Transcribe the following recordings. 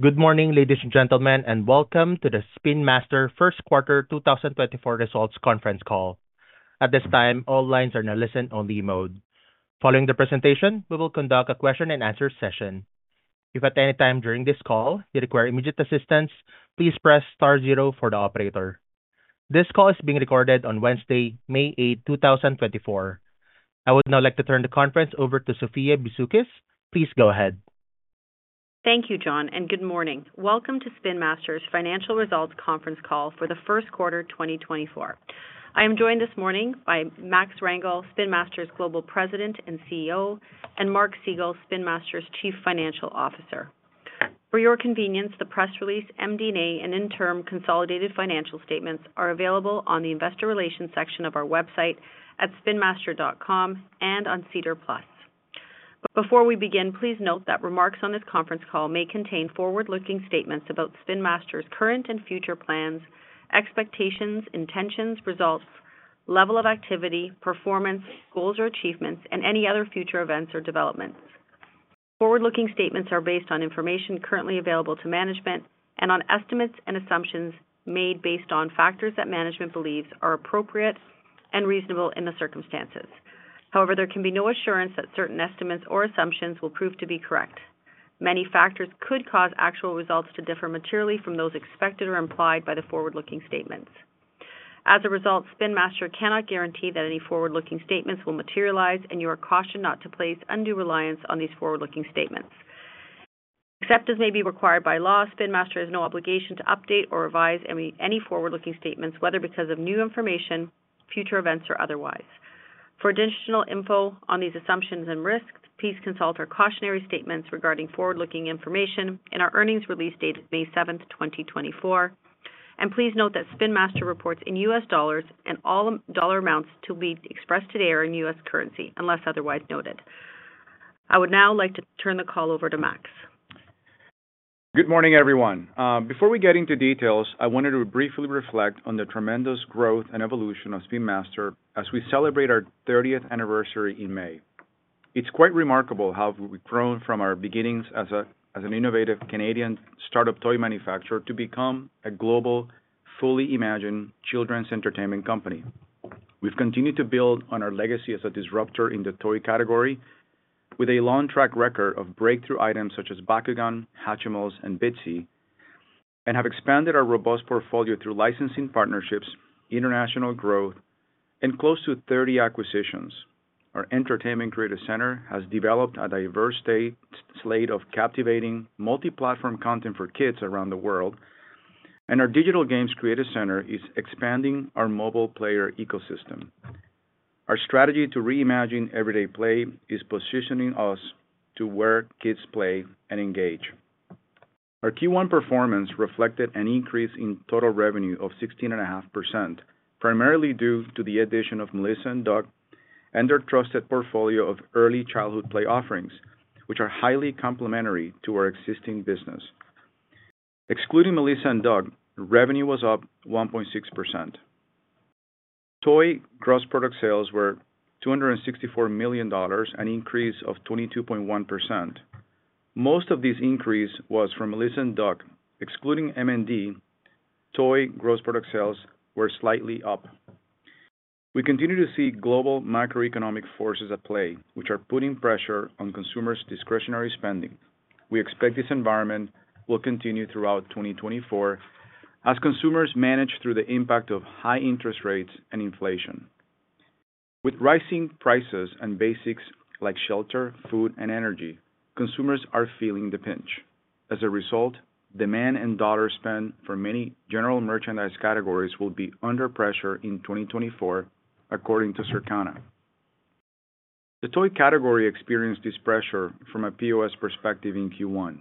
Good morning, ladies and gentlemen, and welcome to the Spin Master First Quarter 2024 Results Conference Call. At this time, all lines are in a listen-only mode. Following the presentation, we will conduct a question and answer session. If at any time during this call you require immediate assistance, please press star zero for the operator. This call is being recorded on Wednesday, May 8, 2024. I would now like to turn the conference over to Sophia Bisoukis. Please go ahead. Thank you, John, and good morning. Welcome to Spin Master's Financial Results conference call for the first quarter, 2024. I am joined this morning by Max Rangel, Spin Master's Global President and CEO, and Mark Segal, Spin Master's Chief Financial Officer. For your convenience, the press release, MD&A, and interim consolidated financial statements are available on the investor relations section of our website at spinmaster.com and on SEDAR+. Before we begin, please note that remarks on this conference call may contain forward-looking statements about Spin Master's current and future plans, expectations, intentions, results, level of activity, performance, goals or achievements, and any other future events or developments. Forward-looking statements are based on information currently available to management and on estimates and assumptions made based on factors that management believes are appropriate and reasonable in the circumstances. However, there can be no assurance that certain estimates or assumptions will prove to be correct. Many factors could cause actual results to differ materially from those expected or implied by the forward-looking statements. As a result, Spin Master cannot guarantee that any forward-looking statements will materialize, and you are cautioned not to place undue reliance on these forward-looking statements. Except as may be required by law, Spin Master has no obligation to update or revise any forward-looking statements, whether because of new information, future events, or otherwise. For additional info on these assumptions and risks, please consult our cautionary statements regarding forward-looking information in our earnings release date of May 7, 2024, and please note that Spin Master reports in US dollars and all dollar amounts to be expressed today are in US currency, unless otherwise noted. I would now like to turn the call over to Max. Good morning, everyone. Before we get into details, I wanted to briefly reflect on the tremendous growth and evolution of Spin Master as we celebrate our 30th anniversary in May. It's quite remarkable how we've grown from our beginnings as an innovative Canadian startup toy manufacturer to become a global, fully imagined children's entertainment company. We've continued to build on our legacy as a disruptor in the toy category with a long track record of breakthrough items such as Bakugan, Hatchimals, and Bitzee, and have expanded our robust portfolio through licensing partnerships, international growth, and close to 30 acquisitions. Our Entertainment Creative Center has developed a diverse slate of captivating multi-platform content for kids around the world, and our Digital Games Creative Center is expanding our mobile player ecosystem. Our strategy to reimagine everyday play is positioning us to where kids play and engage. Our Q1 performance reflected an increase in total revenue of 16.5%, primarily due to the addition of Melissa & Doug and their trusted portfolio of early childhood play offerings, which are highly complementary to our existing business. Excluding Melissa & Doug, revenue was up 1.6%. Toy gross product sales were $264 million, an increase of 22.1%. Most of this increase was from Melissa & Doug. Excluding M&D, toy gross product sales were slightly up. We continue to see global macroeconomic forces at play, which are putting pressure on consumers' discretionary spending. We expect this environment will continue throughout 2024 as consumers manage through the impact of high interest rates and inflation. With rising prices on basics like shelter, food, and energy, consumers are feeling the pinch. As a result, demand and dollar spend for many general merchandise categories will be under pressure in 2024, according to Circana. The toy category experienced this pressure from a POS perspective in Q1.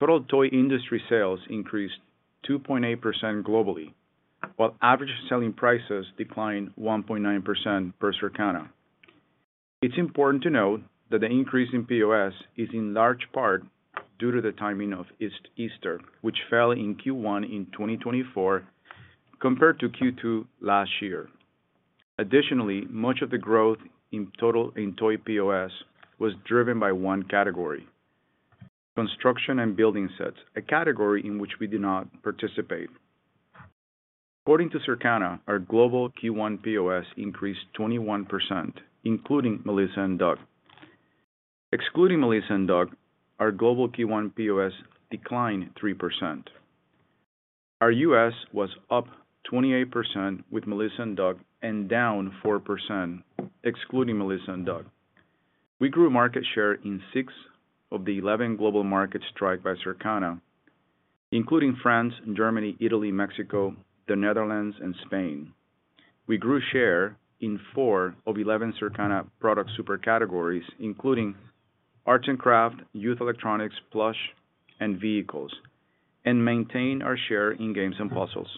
Total toy industry sales increased 2.8% globally, while average selling prices declined 1.9%, per Circana. It's important to note that the increase in POS is in large part due to the timing of Easter, which fell in Q1 in 2024 compared to Q2 last year. Additionally, much of the growth in total in toy POS was driven by one category, construction and building sets, a category in which we do not participate. According to Circana, our global Q1 POS increased 21%, including Melissa & Doug. Excluding Melissa & Doug, our global Q1 POS declined 3%. Our U.S. was up 28% with Melissa & Doug and down 4% excluding Melissa & Doug. We grew market share in six of the 11 global markets tracked by Circana, including France, Germany, Italy, Mexico, the Netherlands, and Spain. We grew share in four of 11 Circana product super categories, including Arts & Crafts, youth electronics, plush, and vehicles, and maintained our share in games and puzzles.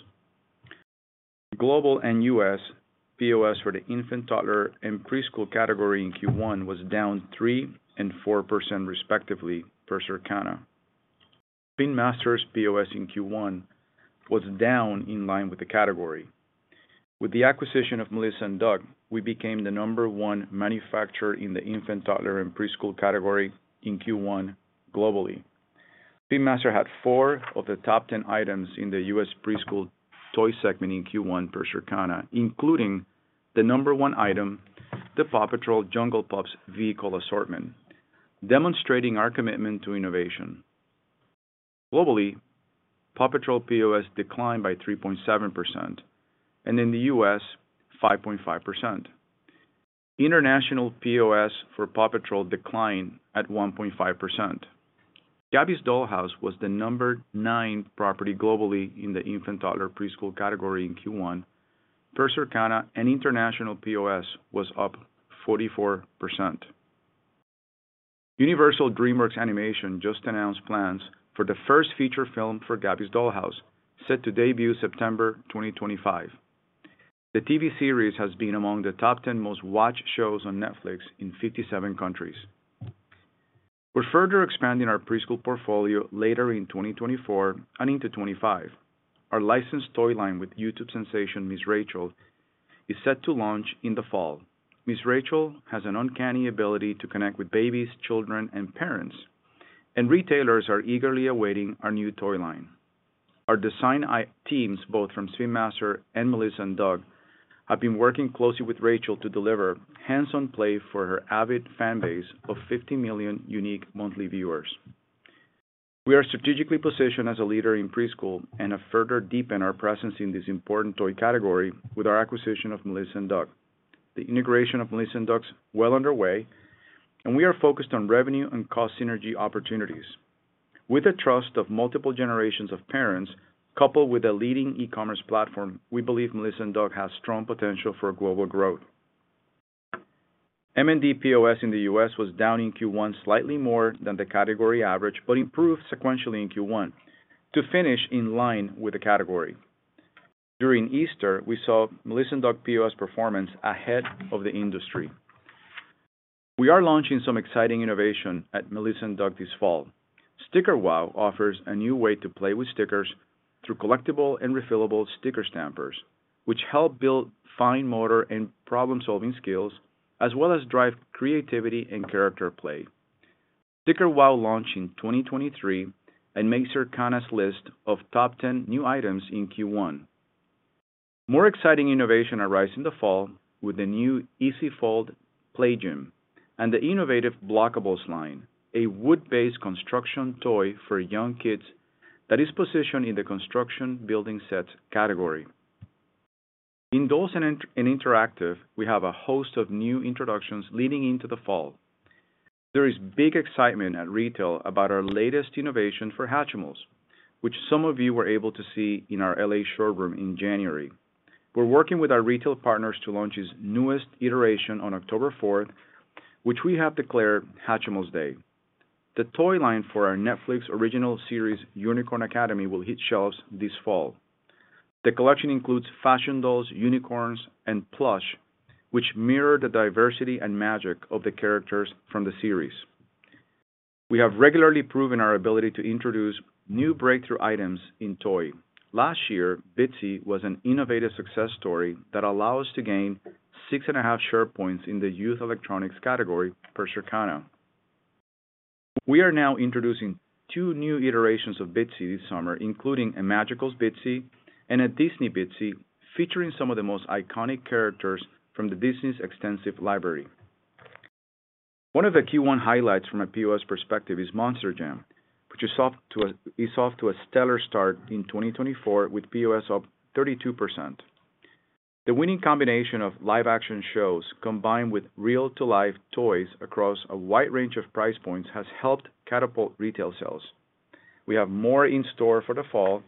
Global and U.S. POS for the infant, toddler, and preschool category in Q1 was down 3% and 4%, respectively, per Circana. Spin Master's POS in Q1 was down in line with the category. With the acquisition of Melissa & Doug, we became the number one manufacturer in the infant, toddler, and preschool category in Q1 globally. Spin Master had four of the top 10 items in the U.S. preschool toy segment in Q1 per Circana, including the number 1 Item, the PAW Patrol Jungle Pups vehicle assortment, demonstrating our commitment to innovation. Globally, PAW Patrol POS declined by 3.7%, and in the U.S., 5.5%. International POS for PAW Patrol declined at 1.5%. Gabby's Dollhouse was the number nine property globally in the infant, toddler, preschool category in Q1. Per Circana and international POS was up 44%. Universal DreamWorks Animation just announced plans for the first feature film for Gabby's Dollhouse, set to debut September 2025. The TV series has been among the top 10 most-watched shows on Netflix in 57 countries. We're further expanding our preschool portfolio later in 2024 and into 2025. Our licensed toy line with YouTube sensation, Ms. Rachel, is set to launch in the fall. Ms. Rachel has an uncanny ability to connect with babies, children, and parents, and retailers are eagerly awaiting our new toy line. Our design teams, both from Spin Master and Melissa & Doug, have been working closely with Rachel to deliver hands-on play for her avid fan base of 50 million unique monthly viewers. We are strategically positioned as a leader in preschool and have further deepened our presence in this important toy category with our acquisition of Melissa & Doug. The integration of Melissa & Doug is well underway, and we are focused on revenue and cost synergy opportunities. With the trust of multiple generations of parents, coupled with a leading e-commerce platform, we believe Melissa & Doug has strong potential for global growth. M&D POS in the US was down in Q1, slightly more than the category average, but improved sequentially in Q1, to finish in line with the category. During Easter, we saw Melissa & Doug POS performance ahead of the industry. We are launching some exciting innovation at Melissa & Doug this fall. Sticker WOW! offers a new way to play with stickers through collectible and refillable sticker stampers, which help build fine motor and problem-solving skills, as well as drive creativity and character play. Sticker WOW! launched in 2023 and made Circana's list of top 10 new items in Q1. More exciting innovation arrives in the fall with the new Easy Fold Play Gym and the innovative Blockables line, a wood-based construction toy for young kids that is positioned in the construction building set category. In dolls and interactive, we have a host of new introductions leading into the fall. There is big excitement at retail about our latest innovation for Hatchimals, which some of you were able to see in our L.A. showroom in January. We're working with our retail partners to launch its newest iteration on October fourth, which we have declared Hatchimals Day. The toy line for our Netflix original series, Unicorn Academy, will hit shelves this fall. The collection includes fashion dolls, unicorns, and plush, which mirror the diversity and magic of the characters from the series. We have regularly proven our ability to introduce new breakthrough items in toy. Last year, Bitzee was an innovative success story that allowed us to gain 6.5 share points in the youth electronics category per Circana. We are now introducing two new iterations of Bitzee this summer, including a Magical Bitzee and a Disney Bitzee, featuring some of the most iconic characters from Disney's extensive library. One of the Q1 highlights from a POS perspective is Monster Jam, which is off to a stellar start in 2024, with POS up 32%. The winning combination of live action shows, combined with real-to-life toys across a wide range of price points, has helped catapult retail sales. We have more in store for the fall,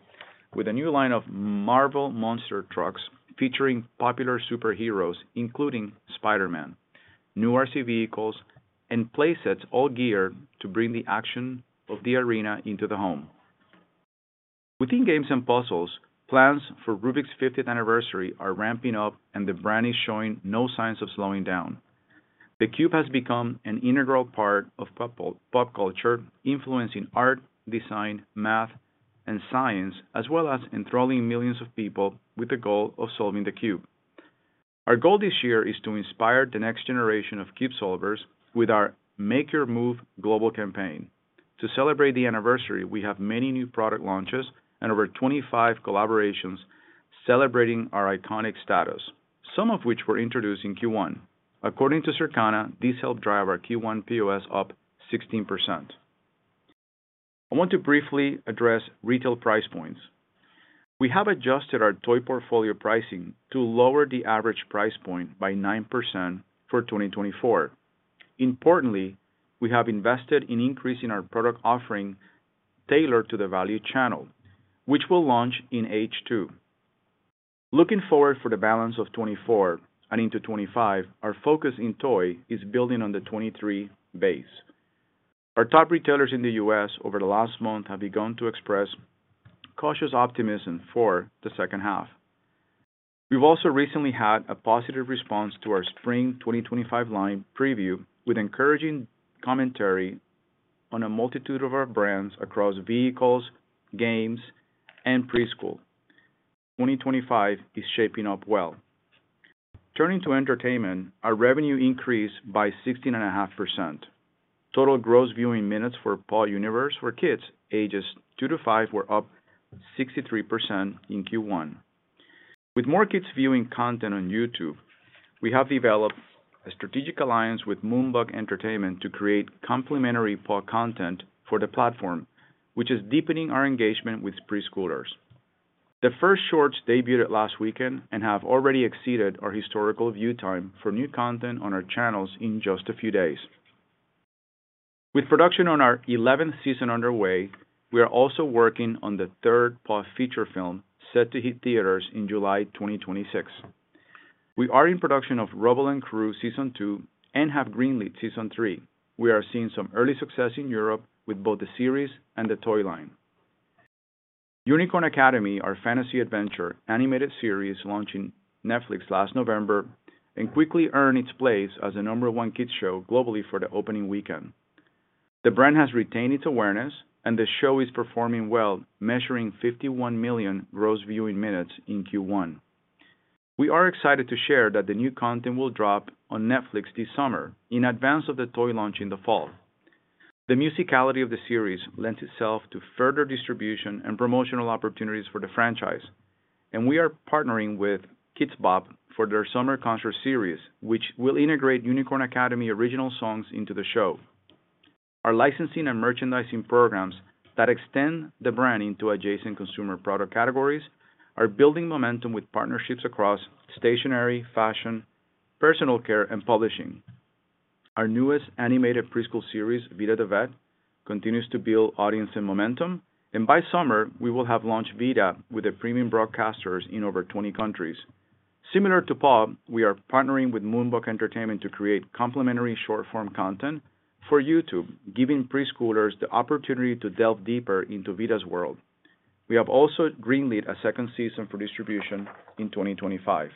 with a new line of Marvel Monster Trucks featuring popular superheroes, including Spider-Man, new RC vehicles, and play sets, all geared to bring the action of the arena into the home. Within games and puzzles, plans for Rubik's fiftieth anniversary are ramping up, and the brand is showing no signs of slowing down. The cube has become an integral part of pop culture, influencing art, design, math, and science, as well as enthralling millions of people with the goal of solving the cube. Our goal this year is to inspire the next generation of cube solvers with our Make Your Move global campaign. To celebrate the anniversary, we have many new product launches and over 25 collaborations celebrating our iconic status, some of which were introduced in Q1. According to Circana, this helped drive our Q1 POS up 16%. I want to briefly address retail price points. We have adjusted our toy portfolio pricing to lower the average price point by 9% for 2024. Importantly, we have invested in increasing our product offering tailored to the value channel, which will launch in H2. Looking forward for the balance of 2024 and into 2025, our focus in toy is building on the 2023 base. Our top retailers in the US over the last month have begun to express cautious optimism for the second half. We've also recently had a positive response to our spring 2025 line preview, with encouraging commentary on a multitude of our brands across vehicles, games, and preschool. 2025 is shaping up well. Turning to entertainment, our revenue increased by 16.5%. Total gross viewing minutes for PAW Universe for kids ages two to five were up 63% in Q1. With more kids viewing content on YouTube, we have developed a strategic alliance with Moonbug Entertainment to create complementary PAW content for the platform, which is deepening our engagement with preschoolers. The first shorts debuted last weekend and have already exceeded our historical view time for new content on our channels in just a few days. With production on our 11th season underway, we are also working on the 3rd PAW feature film, set to hit theaters in July 2026. We are in production of Rubble & Crew Season 2 and have greenlit season 3. We are seeing some early success in Europe with both the series and the toy line. Unicorn Academy, our fantasy adventure animated series, launched in Netflix last November and quickly earned its place as the number one kids show globally for the opening weekend. The brand has retained its awareness, and the show is performing well, measuring 51 million gross viewing minutes in Q1. We are excited to share that the new content will drop on Netflix this summer in advance of the toy launch in the fall. The musicality of the series lends itself to further distribution and promotional opportunities for the franchise, and we are partnering with KIDZ BOP for their summer concert series, which will integrate Unicorn Academy original songs into the show. Our licensing and merchandising programs that extend the brand into adjacent consumer product categories are building momentum with partnerships across stationery, fashion, personal care, and publishing. Our newest animated preschool series, Vida the Vet, continues to build audience and momentum, and by summer, we will have launched Vida with the premium broadcasters in over 20 countries. Similar to PAW, we are partnering with Moonbug Entertainment to create complimentary short-form content for YouTube, giving preschoolers the opportunity to delve deeper into Vida's world. We have also greenlit a second season for distribution in 2025.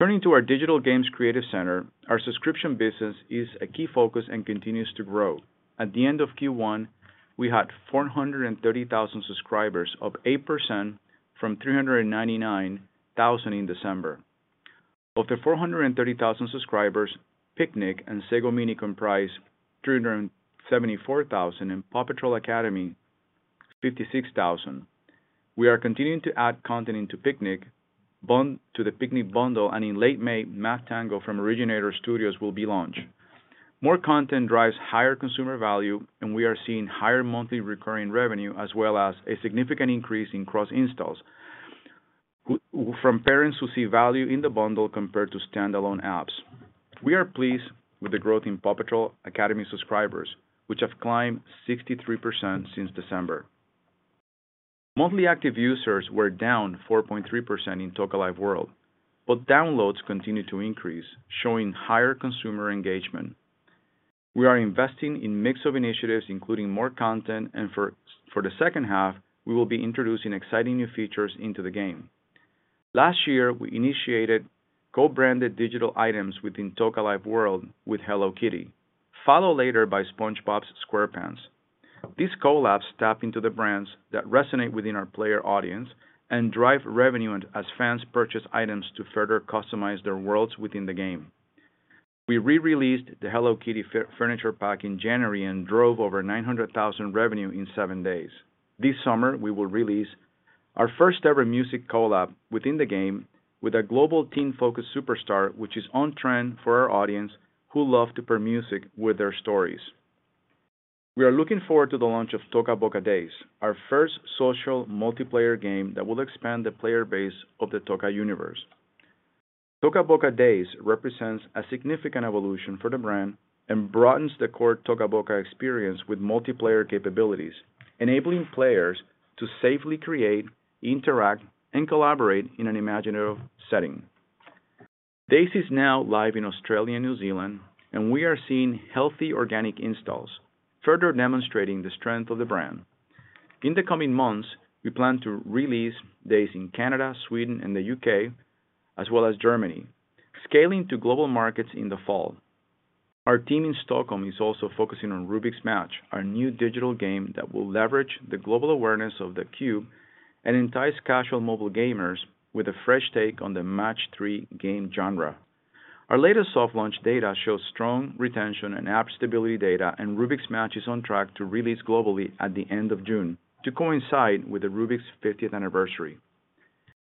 Turning to our Digital Games Creative Center, our subscription business is a key focus and continues to grow. At the end of Q1, we had 430,000 subscribers, up 8% from 399,000 in December. Of the 430,000 subscribers, Piknik and Sago Mini comprise 374,000, and PAW Patrol Academy, 56,000. We are continuing to add content into Piknik, bundle to the Piknik bundle, and in late May, MathTango from Originator Inc. will be launched. More content drives higher consumer value, and we are seeing higher monthly recurring revenue, as well as a significant increase in cross installs from parents who see value in the bundle compared to standalone apps. We are pleased with the growth in PAW Patrol Academy subscribers, which have climbed 63% since December. Monthly active users were down 4.3% in Toca Life World, but downloads continued to increase, showing higher consumer engagement. We are investing in mix of initiatives, including more content, and for the second half, we will be introducing exciting new features into the game. Last year, we initiated co-branded digital items within Toca Life World with Hello Kitty, followed later by SpongeBob SquarePants. These collabs tap into the brands that resonate within our player audience and drive revenue as fans purchase items to further customize their worlds within the game. We re-released the Hello Kitty furniture pack in January and drove over $900,000 revenue in seven days. This summer, we will release our first-ever music collab within the game with a global teen-focused superstar, which is on trend for our audience, who love to pair music with their stories. We are looking forward to the launch of Toca Boca Days, our first social multiplayer game that will expand the player base of the Toca Universe. Toca Boca Days represents a significant evolution for the brand and broadens the core Toca Boca experience with multiplayer capabilities, enabling players to safely create, interact, and collaborate in an imaginative setting. Days is now live in Australia and New Zealand, and we are seeing healthy organic installs, further demonstrating the strength of the brand. In the coming months, we plan to release Days in Canada, Sweden, and the UK, as well as Germany, scaling to global markets in the fall. Our team in Stockholm is also focusing on Rubik's Match, our new digital game that will leverage the global awareness of the cube and entice casual mobile gamers with a fresh take on the Match Three game genre. Our latest soft launch data shows strong retention and app stability data, and Rubik's Match is on track to release globally at the end of June to coincide with the Rubik's fiftieth anniversary.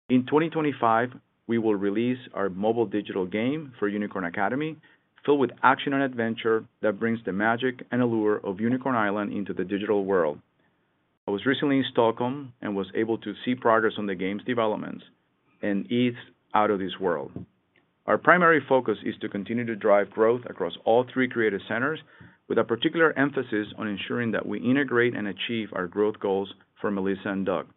In 2025, we will release our mobile digital game for Unicorn Academy, filled with action and adventure that brings the magic and allure of Unicorn Island into the digital world. I was recently in Stockholm and was able to see progress on the game's developments, and it's out of this world. Our primary focus is to continue to drive growth across all three creative centers, with a particular emphasis on ensuring that we integrate and achieve our growth goals for Melissa & Doug.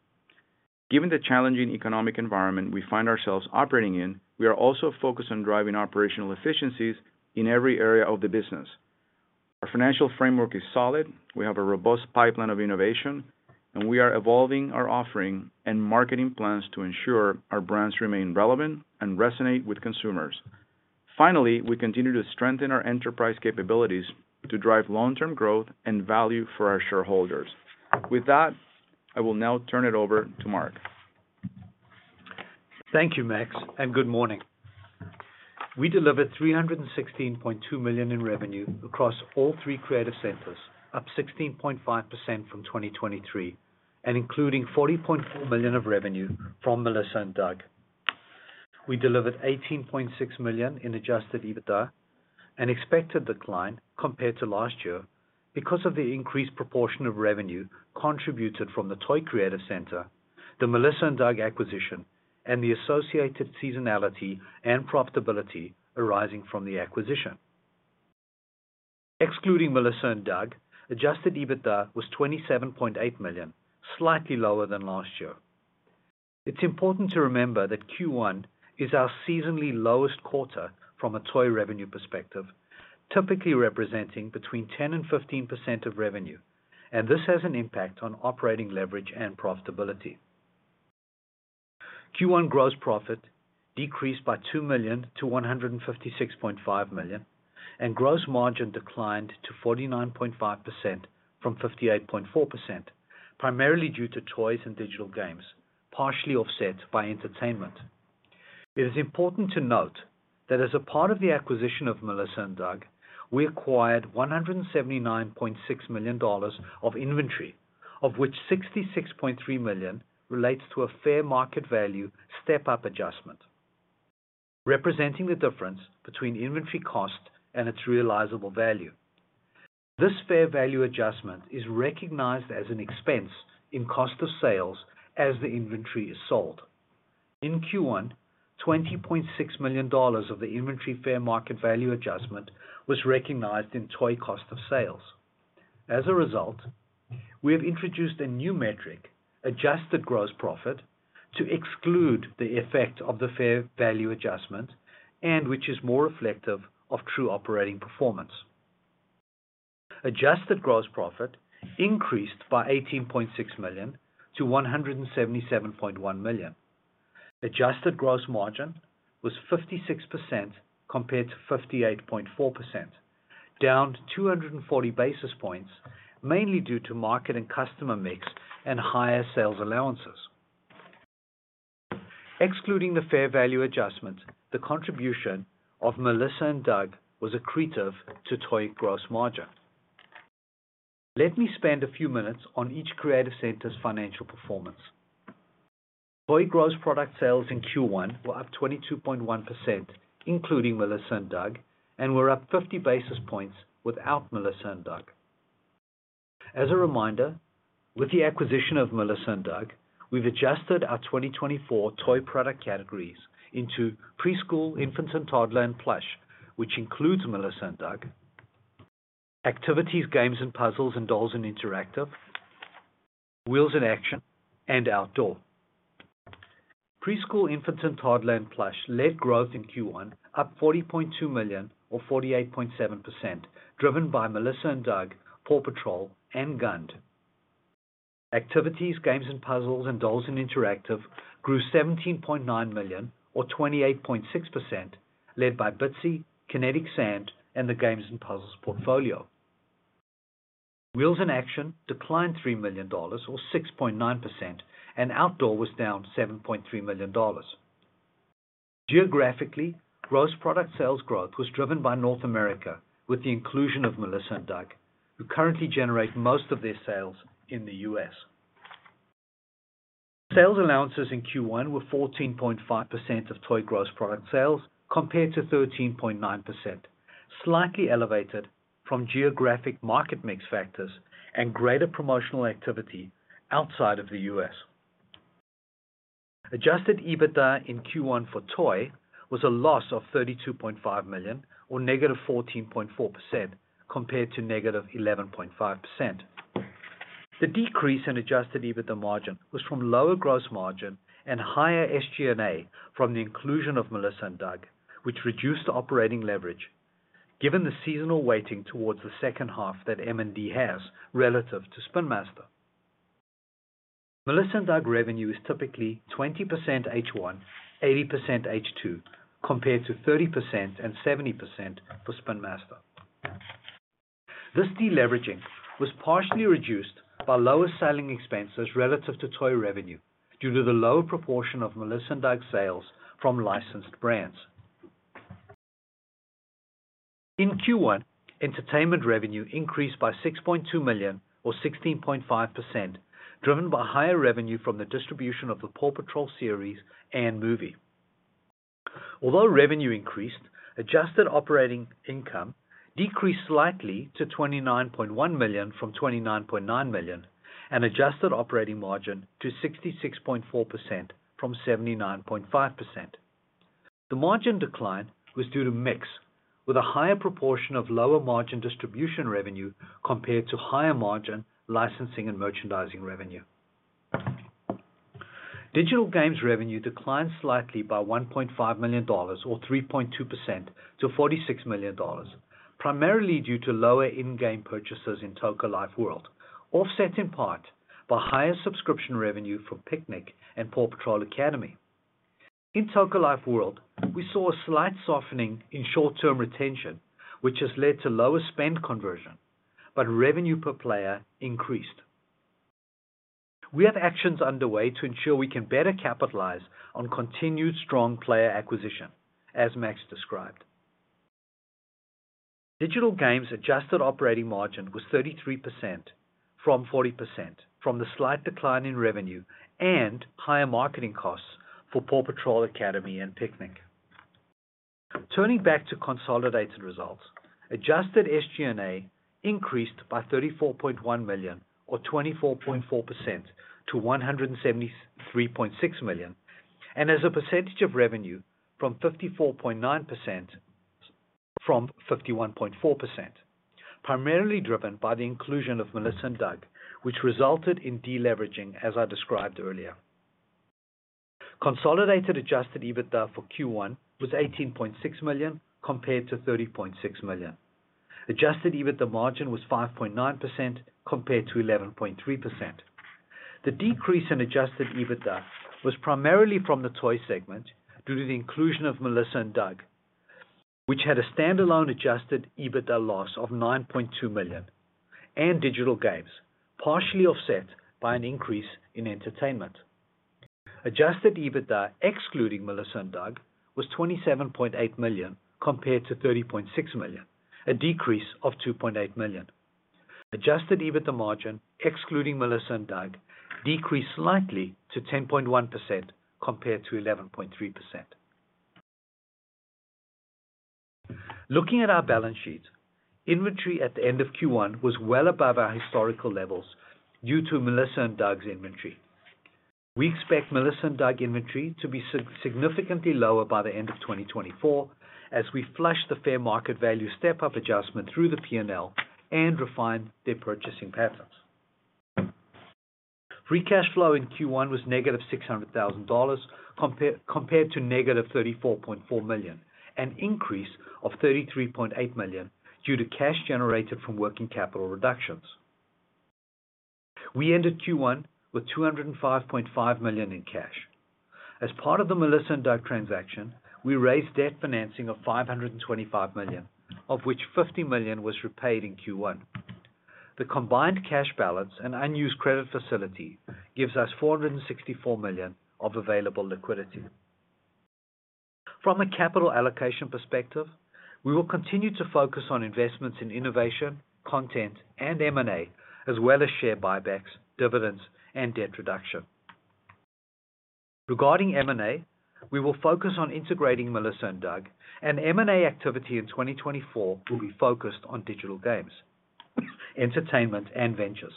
Given the challenging economic environment we find ourselves operating in, we are also focused on driving operational efficiencies in every area of the business. Our financial framework is solid. We have a robust pipeline of innovation... and we are evolving our offering and marketing plans to ensure our brands remain relevant and resonate with consumers. Finally, we continue to strengthen our enterprise capabilities to drive long-term growth and value for our shareholders. With that, I will now turn it over to Mark. Thank you, Max, and good morning. We delivered $316.2 million in revenue across all three creative centers, up 16.5% from 2023, and including $40.4 million of revenue from Melissa & Doug. We delivered $18.6 million in Adjusted EBITDA, an expected decline compared to last year, because of the increased proportion of revenue contributed from the Toy Creative Center, the Melissa & Doug acquisition, and the associated seasonality and profitability arising from the acquisition. Excluding Melissa & Doug, Adjusted EBITDA was $27.8 million, slightly lower than last year. It's important to remember that Q1 is our seasonally lowest quarter from a toy revenue perspective, typically representing between 10% and 15% of revenue, and this has an impact on operating leverage and profitability. Q1 gross profit decreased by $2 million to $156.5 million, and gross margin declined to 49.5% from 58.4%, primarily due to toys and digital games, partially offset by entertainment. It is important to note that as a part of the acquisition of Melissa & Doug, we acquired $179.6 million of inventory, of which $66.3 million relates to a fair market value step-up adjustment, representing the difference between inventory cost and its realizable value. This fair value adjustment is recognized as an expense in cost of sales as the inventory is sold. In Q1, $20.6 million of the inventory fair market value adjustment was recognized in toy cost of sales. As a result, we have introduced a new metric, adjusted gross profit, to exclude the effect of the fair value adjustment and which is more reflective of true operating performance. Adjusted gross profit increased by $18.6 million to $177.1 million. Adjusted gross margin was 56% compared to 58.4%, down to 240 basis points, mainly due to market and customer mix and higher sales allowances. Excluding the fair value adjustment, the contribution of Melissa & Doug was accretive to toy gross margin. Let me spend a few minutes on each creative center's financial performance. Toy gross product sales in Q1 were up 22.1%, including Melissa & Doug, and were up 50 basis points without Melissa & Doug. As a reminder, with the acquisition of Melissa & Doug, we've adjusted our 2024 toy product categories into Preschool, Infants and Toddler, and Plush, which includes Melissa & Doug, Activities, Games and Puzzles, and Dolls and Interactive, wheels and action, and Outdoor. Preschool, infants and toddler and plush led growth in Q1, up $40.2 million or 48.7%, driven by Melissa & Doug, PAW Patrol and GUND. Activities, Games and Puzzles, and Dolls and Interactive grew $17.9 million or 28.6%, led by Bitzee, Kinetic Sand, and the Games and Puzzles portfolio. Wheels & Action declined $3 million or 6.9%, and outdoor was down $7.3 million. Geographically, gross product sales growth was driven by North America, with the inclusion of Melissa & Doug, who currently generate most of their sales in the US. Sales allowances in Q1 were 14.5% of toy gross product sales, compared to 13.9%, slightly elevated from geographic market mix factors and greater promotional activity outside of the US. Adjusted EBITDA in Q1 for toy was a loss of $32.5 million or -14.4% compared to -11.5%. The decrease in adjusted EBITDA margin was from lower gross margin and higher SG&A from the inclusion of Melissa & Doug, which reduced the operating leverage, given the seasonal weighting towards the second half that M&D has relative to Spin Master. Melissa & Doug revenue is typically 20% H1, 80% H2, compared to 30% and 70% for Spin Master. This deleveraging was partially reduced by lower selling expenses relative to toy revenue due to the lower proportion of Melissa & Doug sales from licensed brands. In Q1, entertainment revenue increased by $6.2 million or 16.5%, driven by higher revenue from the distribution of the PAW Patrol series and movie. Although revenue increased, adjusted operating income decreased slightly to $29.1 million from $29.9 million, and adjusted operating margin to 66.4% from 79.5%. The margin decline was due to mix with a higher proportion of lower margin distribution revenue compared to higher margin licensing and merchandising revenue.... Digital games revenue declined slightly by $1.5 million, or 3.2% to $46 million, primarily due to lower in-game purchases in Toca Life World, offset in part by higher subscription revenue from Piknik and PAW Patrol Academy. In Toca Life World, we saw a slight softening in short-term retention, which has led to lower spend conversion, but revenue per player increased. We have actions underway to ensure we can better capitalize on continued strong player acquisition, as Max described. Digital games adjusted operating margin was 33% from 40%, from the slight decline in revenue and higher marketing costs for PAW Patrol Academy and Piknik. Turning back to consolidated results, adjusted SG&A increased by $34.1 million or 24.4% to $173.6 million, and as a percentage of revenue from 54.9% from 51.4%, primarily driven by the inclusion of Melissa & Doug, which resulted in deleveraging, as I described earlier. Consolidated adjusted EBITDA for Q1 was $18.6 million, compared to $30.6 million. Adjusted EBITDA margin was 5.9% compared to 11.3%. The decrease in adjusted EBITDA was primarily from the toy segment due to the inclusion of Melissa & Doug, which had a standalone adjusted EBITDA loss of $9.2 million, and digital games, partially offset by an increase in entertainment. Adjusted EBITDA, excluding Melissa & Doug, was $27.8 million compared to $30.6 million, a decrease of $2.8 million. Adjusted EBITDA margin, excluding Melissa & Doug, decreased slightly to 10.1% compared to 11.3%. Looking at our balance sheet, inventory at the end of Q1 was well above our historical levels due to Melissa & Doug's inventory. We expect Melissa & Doug inventory to be significantly lower by the end of 2024 as we flush the fair market value step-up adjustment through the PNL and refine their purchasing patterns. Free cash flow in Q1 was -$600,000, compared to -$34.4 million, an increase of $33.8 million due to cash generated from working capital reductions. We ended Q1 with $205.5 million in cash. As part of the Melissa & Doug transaction, we raised debt financing of $525 million, of which $50 million was repaid in Q1. The combined cash balance and unused credit facility gives us $464 million of available liquidity. From a capital allocation perspective, we will continue to focus on investments in innovation, content, and M&A, as well as share buybacks, dividends, and debt reduction. Regarding M&A, we will focus on integrating Melissa & Doug, and M&A activity in 2024 will be focused on digital games, entertainment, and ventures.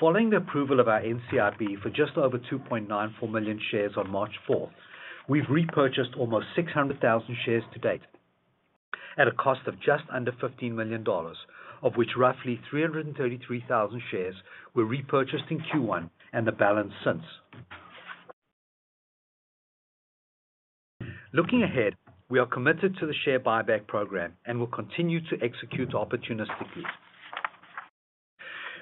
Following the approval of our NCIB for just over 2.94 million shares on March fourth, we've repurchased almost 600,000 shares to date at a cost of just under $15 million, of which roughly 333,000 shares were repurchased in Q1 and the balance since. Looking ahead, we are committed to the share buyback program and will continue to execute opportunistically.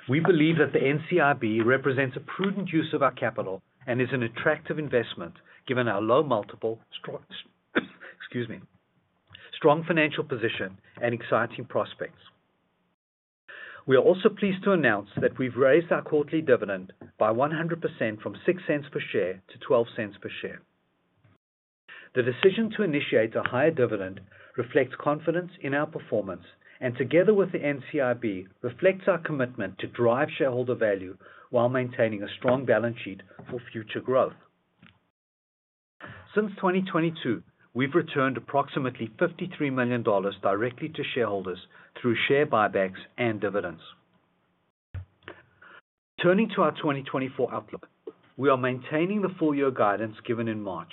We believe that the NCIB represents a prudent use of our capital and is an attractive investment given our low multiple, strong, excuse me, strong financial position and exciting prospects. We are also pleased to announce that we've raised our quarterly dividend by 100% from $0.06 per share to $0.12 per share. The decision to initiate a higher dividend reflects confidence in our performance, and together with the NCIB, reflects our commitment to drive shareholder value while maintaining a strong balance sheet for future growth. Since 2022, we've returned approximately $53 million directly to shareholders through share buybacks and dividends. Turning to our 2024 outlook, we are maintaining the full year guidance given in March.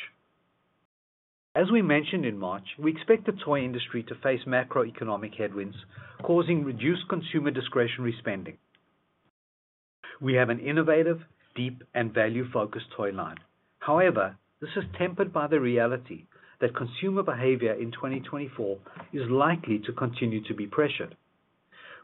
As we mentioned in March, we expect the toy industry to face macroeconomic headwinds, causing reduced consumer discretionary spending. We have an innovative, deep, and value-focused toy line. However, this is tempered by the reality that consumer behavior in 2024 is likely to continue to be pressured.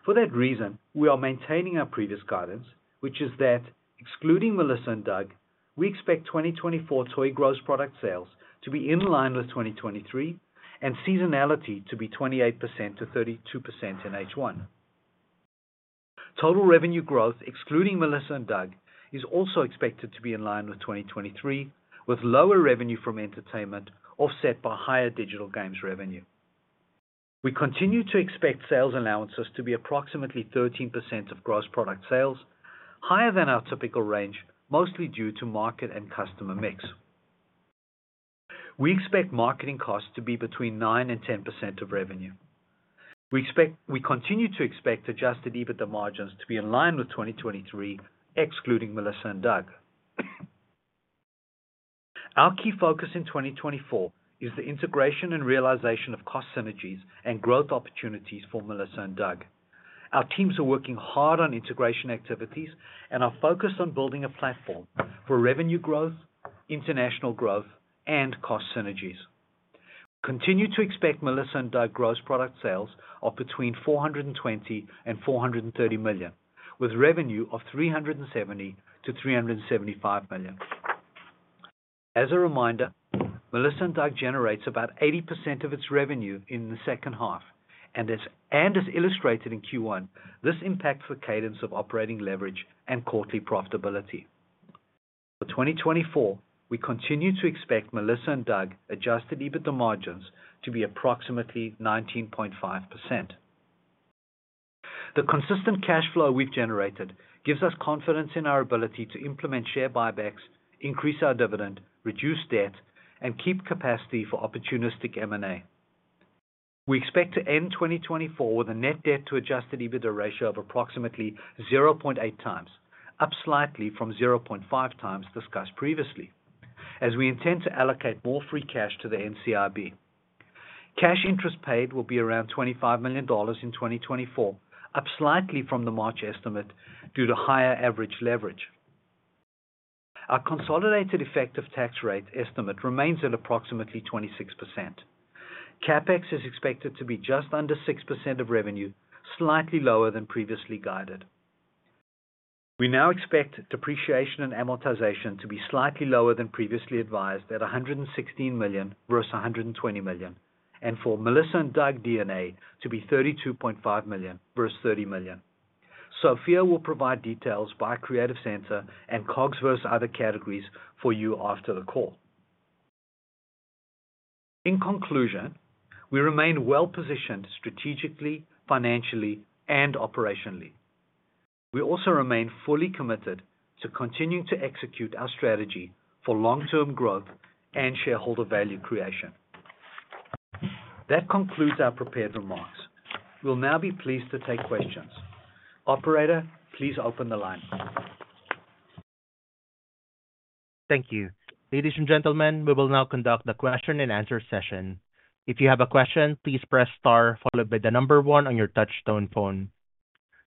For that reason, we are maintaining our previous guidance, which is that excluding Melissa & Doug, we expect 2024 toy gross product sales to be in line with 2023 and seasonality to be 28%-32% in H1. Total revenue growth, excluding Melissa & Doug, is also expected to be in line with 2023, with lower revenue from entertainment offset by higher digital games revenue. We continue to expect sales allowances to be approximately 13% of gross product sales, higher than our typical range, mostly due to market and customer mix. We expect marketing costs to be between 9% and 10% of revenue. We expect. We continue to expect adjusted EBITDA margins to be in line with 2023, excluding Melissa & Doug. Our key focus in 2024 is the integration and realization of cost synergies and growth opportunities for Melissa & Doug. Our teams are working hard on integration activities and are focused on building a platform for revenue growth, international growth, and cost synergies. Continue to expect Melissa & Doug gross product sales of between $420 million and $430 million, with revenue of $370 million-$375 million. As a reminder, Melissa & Doug generates about 80% of its revenue in the second half, and as illustrated in Q1, this impacts the cadence of operating leverage and quarterly profitability. For 2024, we continue to expect Melissa & Doug adjusted EBITDA margins to be approximately 19.5%. The consistent cash flow we've generated gives us confidence in our ability to implement share buybacks, increase our dividend, reduce debt, and keep capacity for opportunistic M&A. We expect to end 2024 with a net debt to adjusted EBITDA ratio of approximately 0.8x, up slightly from 0.5x discussed previously, as we intend to allocate more free cash to the NCIB. Cash interest paid will be around $25 million in 2024, up slightly from the March estimate due to higher average leverage. Our consolidated effective tax rate estimate remains at approximately 26%. CapEx is expected to be just under 6% of revenue, slightly lower than previously guided. We now expect depreciation and amortization to be slightly lower than previously advised at $116 million versus $120 million, and for Melissa & Doug D&A to be $32.5 million versus $30 million. Sophia will provide details by Creative Center and COGS versus other categories for you after the call. In conclusion, we remain well-positioned strategically, financially, and operationally. We also remain fully committed to continuing to execute our strategy for long-term growth and shareholder value creation. That concludes our prepared remarks. We'll now be pleased to take questions. Operator, please open the line. Thank you. Ladies and gentlemen, we will now conduct the question and answer session. If you have a question, please press star followed by the number one on your touchtone phone.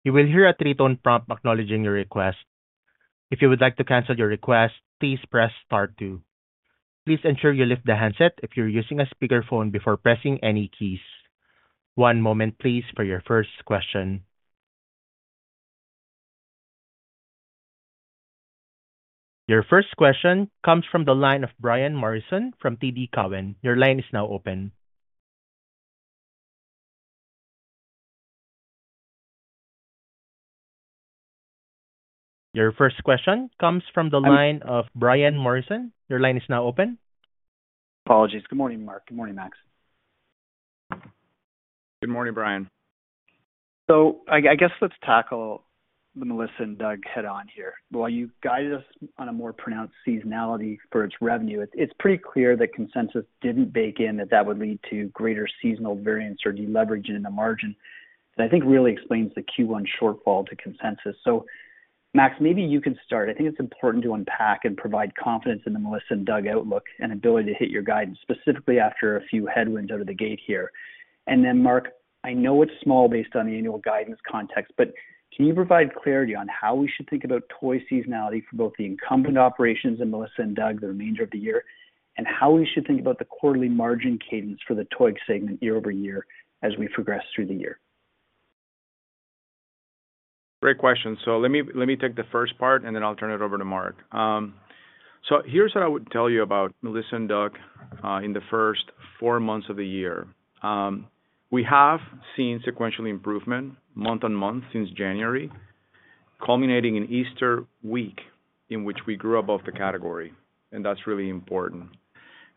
You will hear a three-tone prompt acknowledging your request. If you would like to cancel your request, please press star two. Please ensure you lift the handset if you're using a speakerphone before pressing any keys. One moment, please, for your first question. Your first question comes from the line of Brian Morrison from TD Cowen. Your line is now open. Your first question comes from the line of Brian Morrison. Your line is now open. Apologies. Good morning, Mark. Good morning, Max. Good morning, Brian. So I guess let's tackle the Melissa & Doug head on here. While you guided us on a more pronounced seasonality for its revenue, it's pretty clear that consensus didn't bake in, that that would lead to greater seasonal variance or deleverage in the margin. So I think really explains the Q1 shortfall to consensus. So Max, maybe you can start. I think it's important to unpack and provide confidence in the Melissa & Doug outlook and ability to hit your guidance, specifically after a few headwinds out of the gate here. And then, Mark, I know it's small based on the annual guidance context, but can you provide clarity on how we should think about toy seasonality for both the incumbent operations and Melissa & Doug, the remainder of the year? How we should think about the quarterly margin cadence for the toy segment year over year as we progress through the year? Great question. So let me take the first part, and then I'll turn it over to Mark. So here's what I would tell you about Melissa & Doug in the first four months of the year. We have seen sequential improvement month-on-month since January, culminating in Easter week, in which we grew above the category, and that's really important.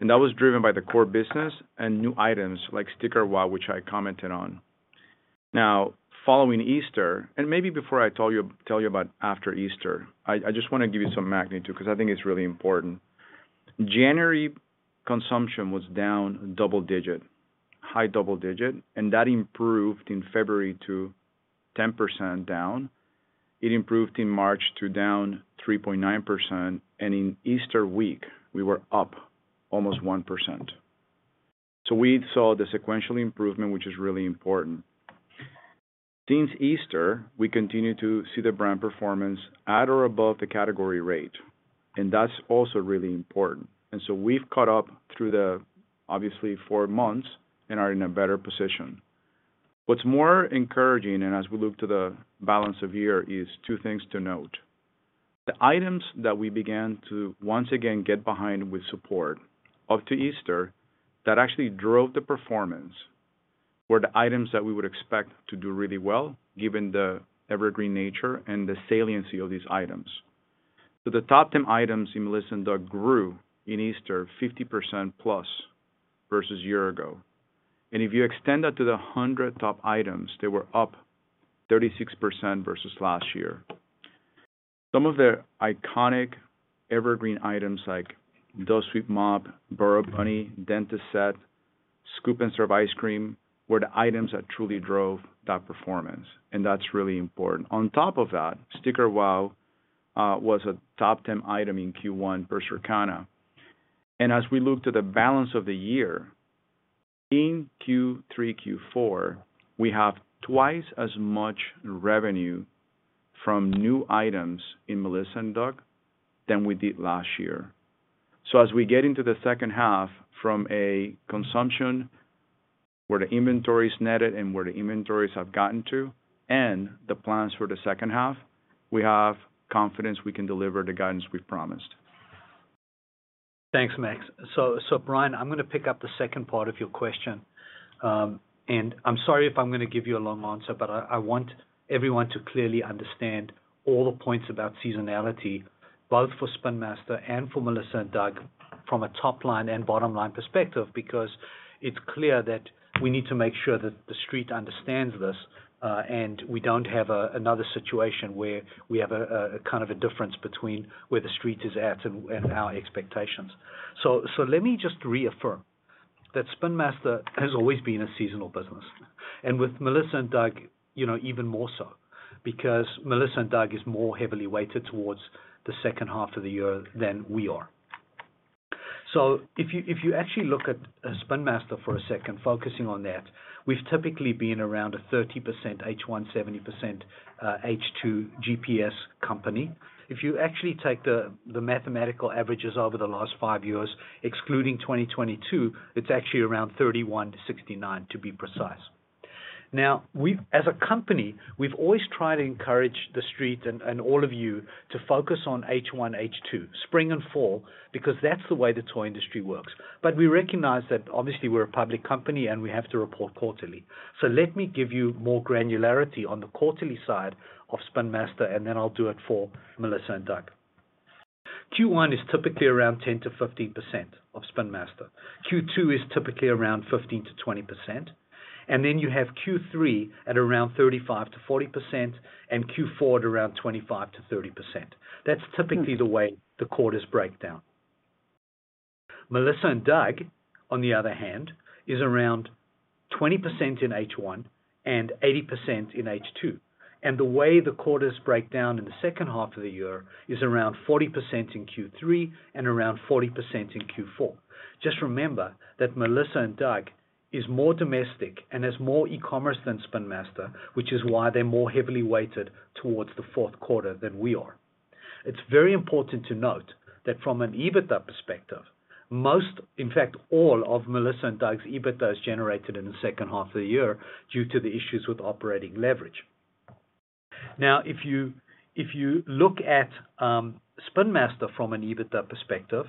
And that was driven by the core business and new items like Sticker WOW!, which I commented on. Now, following Easter, and maybe before I tell you about after Easter, I just wanna give you some magnitude because I think it's really important. January consumption was down double-digit, high double-digit, and that improved in February to 10% down. It improved in March to down 3.9%, and in Easter week we were up almost 1%. So we saw the sequential improvement, which is really important. Since Easter, we continue to see the brand performance at or above the category rate, and that's also really important. And so we've caught up through the obviously four months and are in a better position. What's more encouraging, and as we look to the balance of year, is two things to note. The items that we began to once again get behind with support up to Easter that actually drove the performance, were the items that we would expect to do really well, given the evergreen nature and the saliency of these items. So the top 10 items in Melissa & Doug grew in Easter, 50% plus versus year ago. And if you extend that to the 100 top items, they were up 36% versus last year. Some of the iconic evergreen items like Dust! Sweep! Mop!, Burrow Bunny, Dentist Set, Scoop & Serve Ice Cream were the items that truly drove that performance, and that's really important. On top of that, Sticker WOW! was a top 10 item in Q1 versus Circana. As we look to the balance of the year, in Q3, Q4, we have twice as much revenue from new items in Melissa & Doug than we did last year. So as we get into the second half from a consumption, where the inventory is netted and where the inventories have gotten to, and the plans for the second half, we have confidence we can deliver the guidance we've promised. Thanks, Max. So, Brian, I'm gonna pick up the second part of your question. And I'm sorry if I'm gonna give you a long answer, but I want everyone to clearly understand all the points about seasonality, both for Spin Master and for Melissa & Doug, from a top line and bottom line perspective, because it's clear that we need to make sure that the street understands this, and we don't have another situation where we have a kind of a difference between where the street is at and our expectations. So, let me just reaffirm that Spin Master has always been a seasonal business, and with Melissa & Doug, you know, even more so, because Melissa & Doug is more heavily weighted towards the second half of the year than we are. So if you, if you actually look at Spin Master for a second, focusing on that, we've typically been around a 30% H1, 70%, H2 GPS company. If you actually take the mathematical averages over the last five years, excluding 2022, it's actually around 31-69, to be precise. Now, we've as a company, we've always tried to encourage the street and all of you to focus on H1, H2, spring and fall, because that's the way the toy industry works. But we recognize that obviously we're a public company and we have to report quarterly. So let me give you more granularity on the quarterly side of Spin Master, and then I'll do it for Melissa & Doug. Q1 is typically around 10%-15% of Spin Master. Q2 is typically around 15%-20%, and then you have Q3 at around 35%-40% and Q4 at around 25%-30%. That's typically the way the quarters break down. Melissa & Doug, on the other hand, is around 20% in H1 and 80% in H2, and the way the quarters break down in the second half of the year is around 40% in Q3 and around 40% in Q4. Just remember that Melissa & Doug is more domestic and has more e-commerce than Spin Master, which is why they're more heavily weighted towards the fourth quarter than we are. It's very important to note that from an EBITDA perspective, most, in fact, all of Melissa & Doug's EBITDA is generated in the second half of the year due to the issues with operating leverage. Now, if you look at Spin Master from an EBITDA perspective,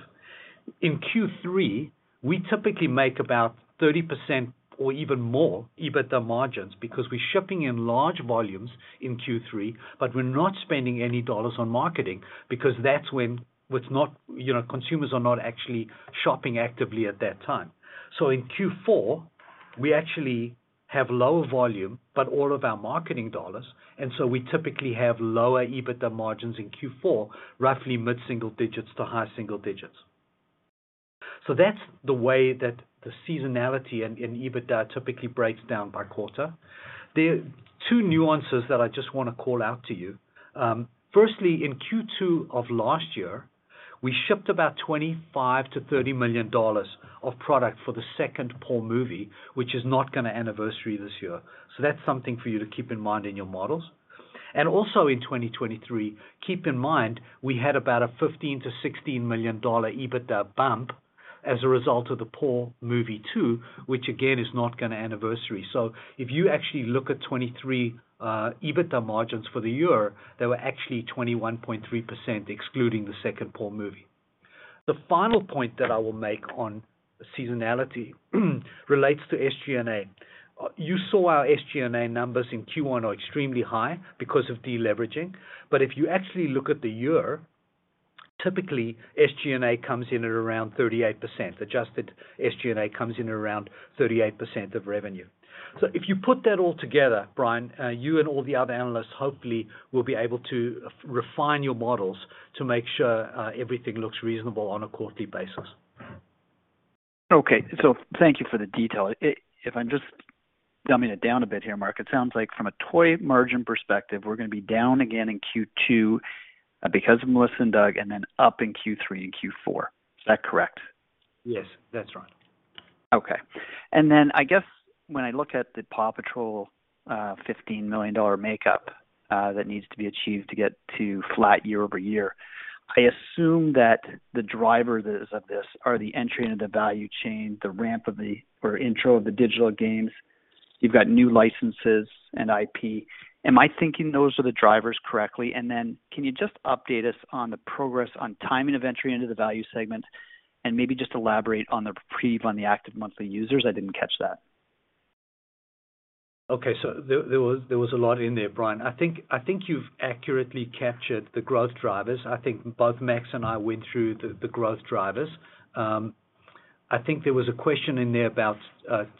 in Q3, we typically make about 30% or even more EBITDA margins because we're shipping in large volumes in Q3, but we're not spending any dollars on marketing because that's when it's not, you know, consumers are not actually shopping actively at that time. So in Q4, we actually have lower volume, but all of our marketing dollars, and so we typically have lower EBITDA margins in Q4, roughly mid-single digits to high single digits. So that's the way that the seasonality and EBITDA typically breaks down by quarter. There are two nuances that I just want to call out to you. Firstly, in Q2 of last year, we shipped about $25 million-$30 million of product for the second PAW movie, which is not gonna anniversary this year. So that's something for you to keep in mind in your models. Also in 2023, keep in mind, we had about a $15-$16 million EBITDA bump as a result of the PAW movie two, which again, is not gonna anniversary. So if you actually look at 2023, EBITDA margins for the year, they were actually 21.3%, excluding the second PAW movie. The final point that I will make on seasonality, relates to SG&A. You saw our SG&A numbers in Q1 are extremely high because of deleveraging, but if you actually look at the year, typically SG&A comes in at around 38%. Adjusted SG&A comes in around 38% of revenue. So if you put that all together, Brian, you and all the other analysts hopefully will be able to refine your models to make sure everything looks reasonable on a quarterly basis. Okay, so thank you for the detail. If I'm just dumbing it down a bit here, Mark, it sounds like from a toy margin perspective, we're gonna be down again in Q2, because of Melissa & Doug, and then up in Q3 and Q4. Is that correct? Yes, that's right. Okay. And then I guess when I look at the PAW Patrol $15 million makeup that needs to be achieved to get to flat year-over-year, I assume that the drivers of this are the entry into the value chain, the ramp of the or intro of the digital games. You've got new licenses and IP. Am I thinking those are the drivers correctly? And then can you just update us on the progress on timing of entry into the value segment, and maybe just elaborate on the preview on the active monthly users? I didn't catch that. Okay, so there was a lot in there, Brian. I think you've accurately captured the growth drivers. I think both Max and I went through the growth drivers. I think there was a question in there about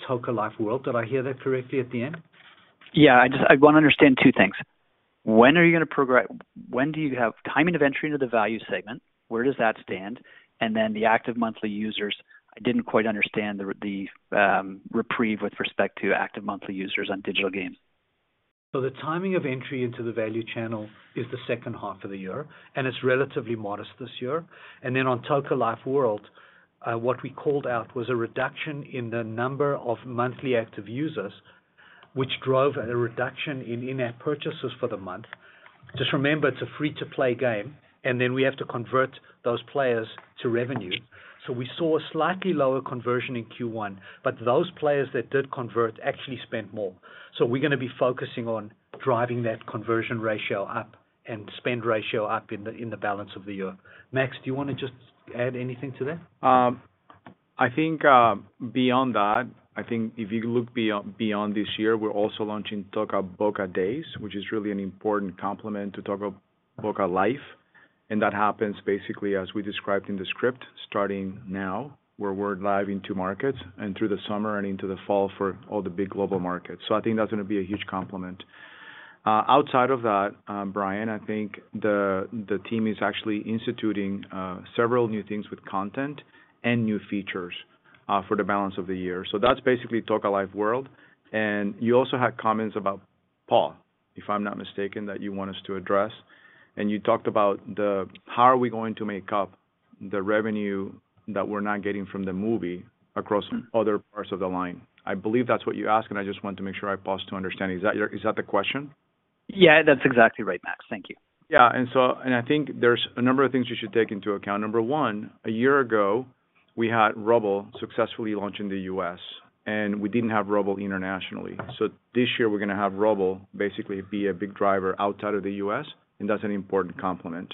Toca Life World. Did I hear that correctly at the end? ... Yeah, I just, I want to understand two things. When are you going to—when do you have timing of entry into the value segment? Where does that stand? And then the active monthly users, I didn't quite understand the reprieve with respect to active monthly users on digital games. So the timing of entry into the value channel is the second half of the year, and it's relatively modest this year. And then on Toca Life World, what we called out was a reduction in the number of monthly active users, which drove a reduction in in-app purchases for the month. Just remember, it's a free-to-play game, and then we have to convert those players to revenue. So we saw a slightly lower conversion in Q1, but those players that did convert actually spent more. So we're gonna be focusing on driving that conversion ratio up and spend ratio up in the balance of the year. Max, do you want to just add anything to that? I think beyond that, I think if you look beyond this year, we're also launching Toca Boca Days, which is really an important complement to Toca Life World. And that happens basically, as we described in the script, starting now, where we're live in two markets and through the summer and into the fall for all the big global markets. So I think that's gonna be a huge complement. Outside of that, Brian, I think the team is actually instituting several new things with content and new features for the balance of the year. So that's basically Toca Life World. And you also had comments about PAW, if I'm not mistaken, that you want us to address. And you talked about the... How are we going to make up the revenue that we're not getting from the movie across other parts of the line? I believe that's what you asked, and I just want to make sure I pause to understand. Is that your- is that the question? Yeah, that's exactly right, Max. Thank you. Yeah, and I think there's a number of things you should take into account. Number one, a year ago, we had Rubble successfully launch in the U.S., and we didn't have Rubble internationally. So this year we're gonna have Rubble basically be a big driver outside of the U.S., and that's an important complement.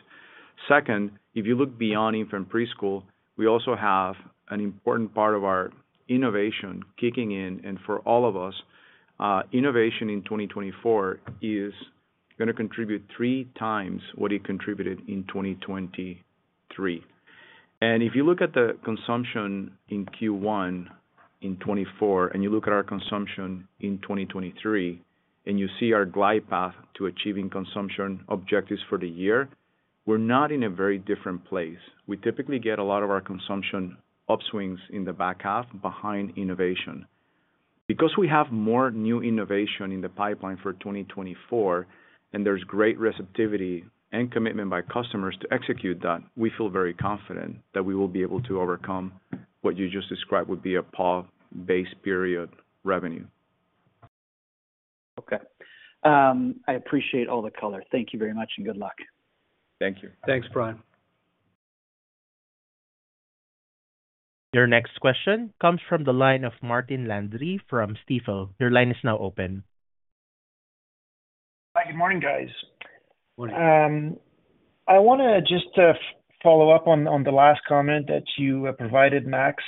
Second, if you look beyond infant preschool, we also have an important part of our innovation kicking in. And for all of us, innovation in 2024 is gonna contribute 3x what it contributed in 2023. And if you look at the consumption in Q1 in 2024, and you look at our consumption in 2023, and you see our glide path to achieving consumption objectives for the year, we're not in a very different place. We typically get a lot of our consumption upswings in the back half behind innovation. Because we have more new innovation in the pipeline for 2024, and there's great receptivity and commitment by customers to execute that, we feel very confident that we will be able to overcome what you just described would be a PAW-based period revenue. Okay. I appreciate all the color. Thank you very much, and good luck. Thank you. Thanks, Brian. Your next question comes from the line of Martin Landry from Stifel. Your line is now open. Hi, good morning, guys. Good morning. I wanna just follow up on the last comment that you provided, Max.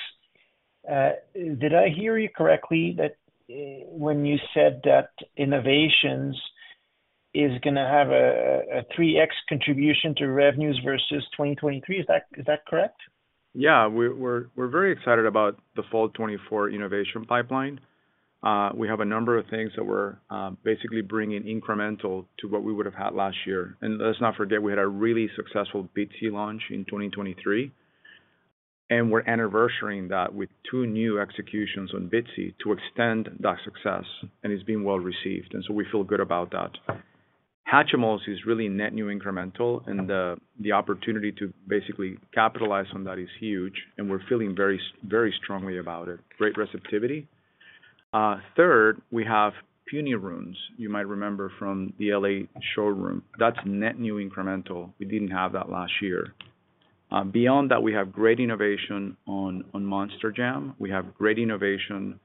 Did I hear you correctly, that when you said that innovations is gonna have a 3X contribution to revenues versus 2023? Is that correct? Yeah, we're very excited about the full 24 innovation pipeline. We have a number of things that we're basically bringing incremental to what we would have had last year. And let's not forget, we had a really successful Bitzee launch in 2023, and we're anniversarying that with two new executions on Bitzee to extend that success, and it's being well received, and so we feel good about that. Hatchimals is really net new incremental, and the opportunity to basically capitalize on that is huge, and we're feeling very strongly about it. Great receptivity. Third, we have Punirunes, you might remember from the L.A. showroom. That's net new incremental. We didn't have that last year. Beyond that, we have great innovation on Monster Jam. We have great innovation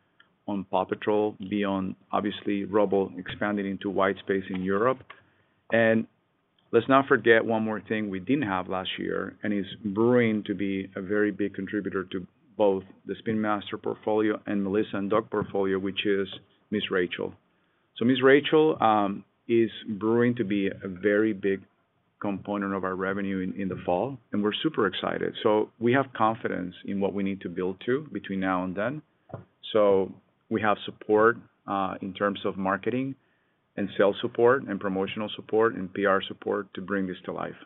on PAW Patrol, beyond obviously Rubble expanding into white space in Europe. Let's not forget one more thing we didn't have last year, and is brewing to be a very big contributor to both the Spin Master portfolio and Melissa & Doug portfolio, which is Ms. Rachel. Ms. Rachel is brewing to be a very big component of our revenue in the fall, and we're super excited. We have confidence in what we need to build to between now and then. We have support in terms of marketing and sales support and promotional support and PR support to bring this to life.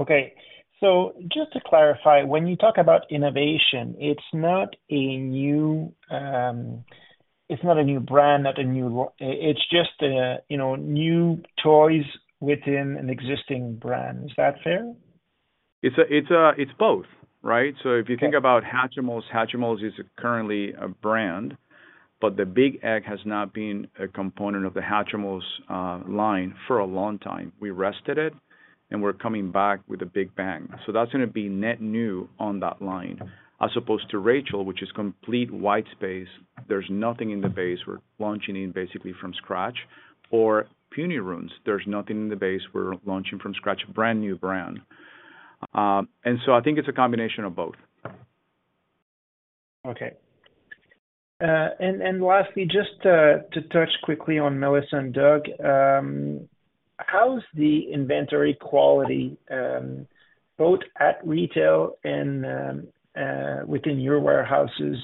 Okay. So just to clarify, when you talk about innovation, it's not a new, it's not a new brand, not a new it's just a, you know, new toys within an existing brand. Is that fair? It's both, right? So if you think about Hatchimals, Hatchimals is currently a brand, but the Big Egg has not been a component of the Hatchimals line for a long time. We rested it, and we're coming back with a big bang, so that's gonna be net new on that line. As opposed to Rachel, which is complete white space, there's nothing in the base. We're launching in basically from scratch. Or Punirunes, there's nothing in the base we're launching from scratch, a brand-new brand. And so I think it's a combination of both. Okay. And lastly, just to touch quickly on Melissa & Doug. How's the inventory quality, both at retail and within your warehouses?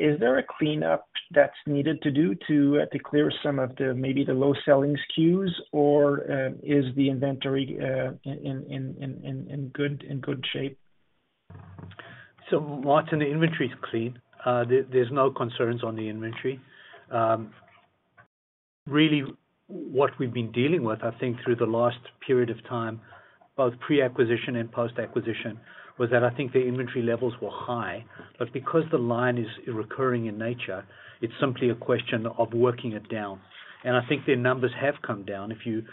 Is there a cleanup that's needed to clear some of the maybe low selling SKUs? Or, is the inventory in good shape? So Martin, the inventory is clean. There's no concerns on the inventory. Really, what we've been dealing with, I think through the last period of time, both pre-acquisition and post-acquisition, was that I think the inventory levels were high. But because the line is recurring in nature, it's simply a question of working it down. And I think their numbers have come down. If you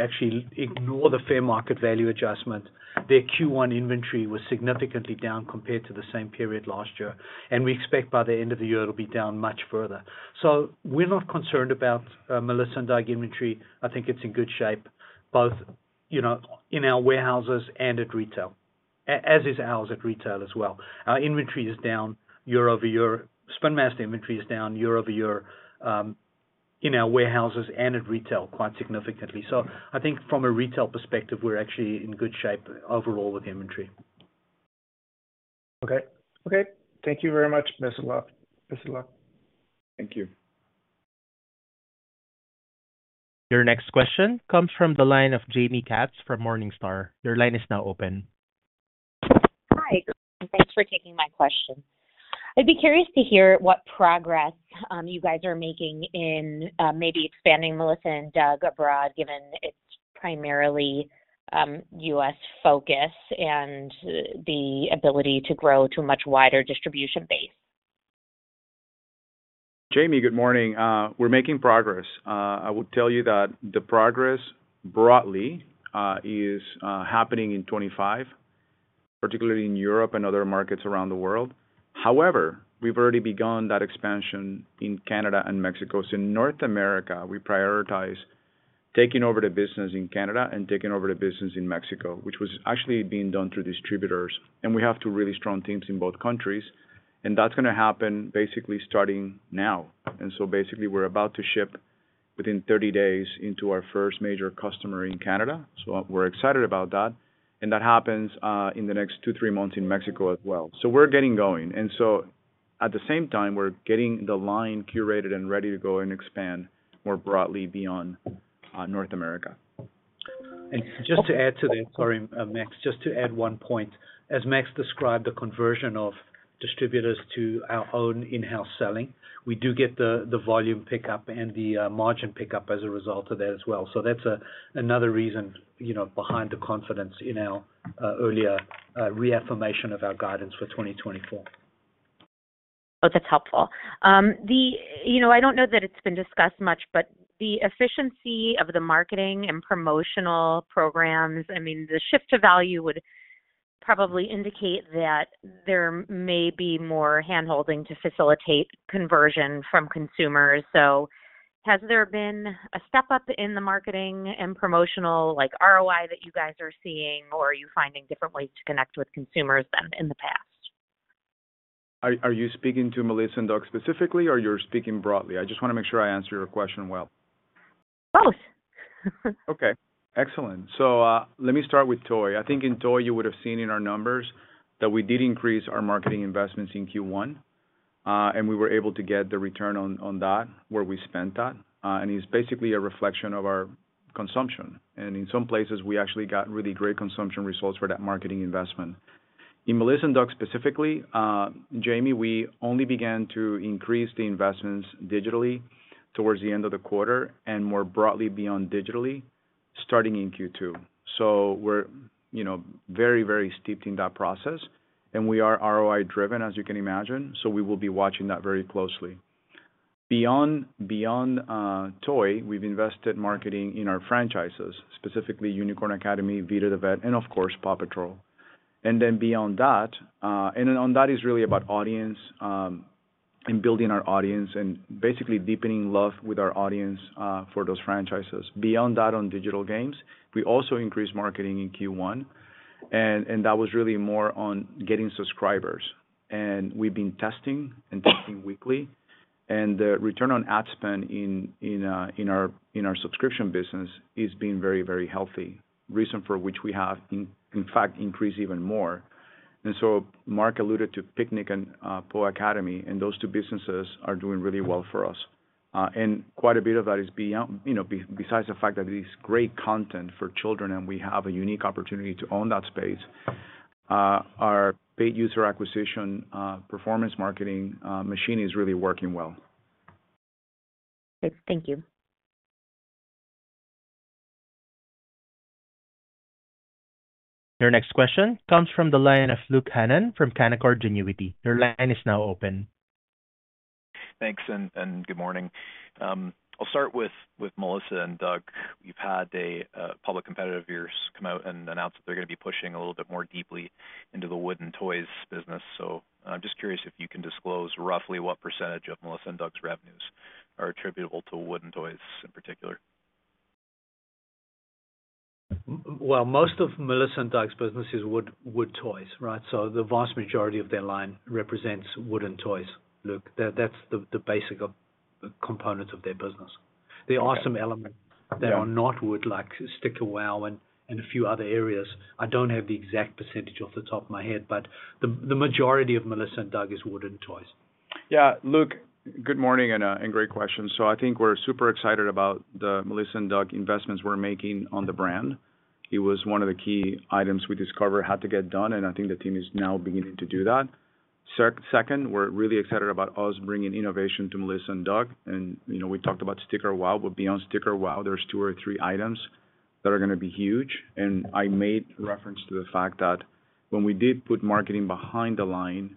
actually ignore the fair market value adjustment, their Q1 inventory was significantly down compared to the same period last year, and we expect by the end of the year, it'll be down much further. So we're not concerned about Melissa & Doug inventory. I think it's in good shape, both, you know, in our warehouses and at retail, as is ours at retail as well. Our inventory is down year-over-year. Spin Master inventory is down year over year in our warehouses and at retail quite significantly. I think from a retail perspective, we're actually in good shape overall with inventory. Okay. Okay, thank you very much. Best of luck. Best of luck. Thank you. Your next question comes from the line of Jaime Katz from Morningstar. Your line is now open. Hi, thanks for taking my question. I'd be curious to hear what progress you guys are making in maybe expanding Melissa & Doug abroad, given its primarily US focus and the ability to grow to a much wider distribution base. Jaime, good morning. We're making progress. I would tell you that the progress broadly is happening in 25, particularly in Europe and other markets around the world. However, we've already begun that expansion in Canada and Mexico. So in North America, we prioritize taking over the business in Canada and taking over the business in Mexico, which was actually being done through distributors, and we have two really strong teams in both countries, and that's gonna happen basically starting now. And so basically, we're about to ship within 30 days into our first major customer in Canada. So we're excited about that. And that happens in the next 2-3 months in Mexico as well. So we're getting going. And so at the same time, we're getting the line curated and ready to go and expand more broadly beyond North America. Just to add to that, sorry, Max, just to add one point. As Max described, the conversion of distributors to our own in-house selling, we do get the volume pickup and the margin pickup as a result of that as well. So that's another reason, you know, behind the confidence in our earlier reaffirmation of our guidance for 2024. Well, that's helpful. You know, I don't know that it's been discussed much, but the efficiency of the marketing and promotional programs, I mean, the shift to value would probably indicate that there may be more handholding to facilitate conversion from consumers. So has there been a step up in the marketing and promotional, like ROI that you guys are seeing, or are you finding different ways to connect with consumers than in the past? Are you speaking to Melissa & Doug specifically, or you're speaking broadly? I just wanna make sure I answer your question well. Both. Okay, excellent. So, let me start with toy. I think in toy, you would have seen in our numbers that we did increase our marketing investments in Q1, and we were able to get the return on that, where we spent that. And it's basically a reflection of our consumption. And in some places, we actually got really great consumption results for that marketing investment. In Melissa & Doug, specifically, Jaime, we only began to increase the investments digitally towards the end of the quarter and more broadly beyond digitally, starting in Q2. So we're, you know, very, very steeped in that process, and we are ROI-driven, as you can imagine, so we will be watching that very closely. Beyond toy, we've invested marketing in our franchises, specifically Unicorn Academy, Vida the Vet, and of course, PAW Patrol. And then beyond that, and on that is really about audience, and building our audience and basically deepening love with our audience, for those franchises. Beyond that, on digital games, we also increased marketing in Q1, and that was really more on getting subscribers. And we've been testing and testing weekly, and the return on ad spend in our subscription business is being very, very healthy. Reason for which we have, in fact, increased even more. And so Mark alluded to Piknik and PAW Academy, and those two businesses are doing really well for us. Quite a bit of that is beyond, you know, besides the fact that it is great content for children and we have a unique opportunity to own that space. Our paid user acquisition, performance marketing machine is really working well. Great. Thank you. Your next question comes from the line of Luke Hannan from Canaccord Genuity. Your line is now open. Thanks, and good morning. I'll start with Melissa & Doug. You've had a couple of public competitors come out and announce that they're gonna be pushing a little bit more deeply into the wooden toys business. So I'm just curious if you can disclose roughly what percentage of Melissa & Doug's revenues are attributable to wooden toys in particular? ... Well, most of Melissa & Doug's business is wood, wood toys, right? So the vast majority of their line represents wooden toys, Luke. That's the basic components of their business. There are some elements that are not wood, like Sticker WOW! and a few other areas. I don't have the exact percentage off the top of my head, but the majority of Melissa & Doug is wooden toys. Yeah, Luke, good morning and great question. So I think we're super excited about the Melissa & Doug investments we're making on the brand. It was one of the key items we discovered had to get done, and I think the team is now beginning to do that. Second, we're really excited about us bringing innovation to Melissa & Doug, and, you know, we talked about Sticker WOW!, but beyond Sticker WOW!, there's two or three items that are gonna be huge. And I made reference to the fact that when we did put marketing behind the line,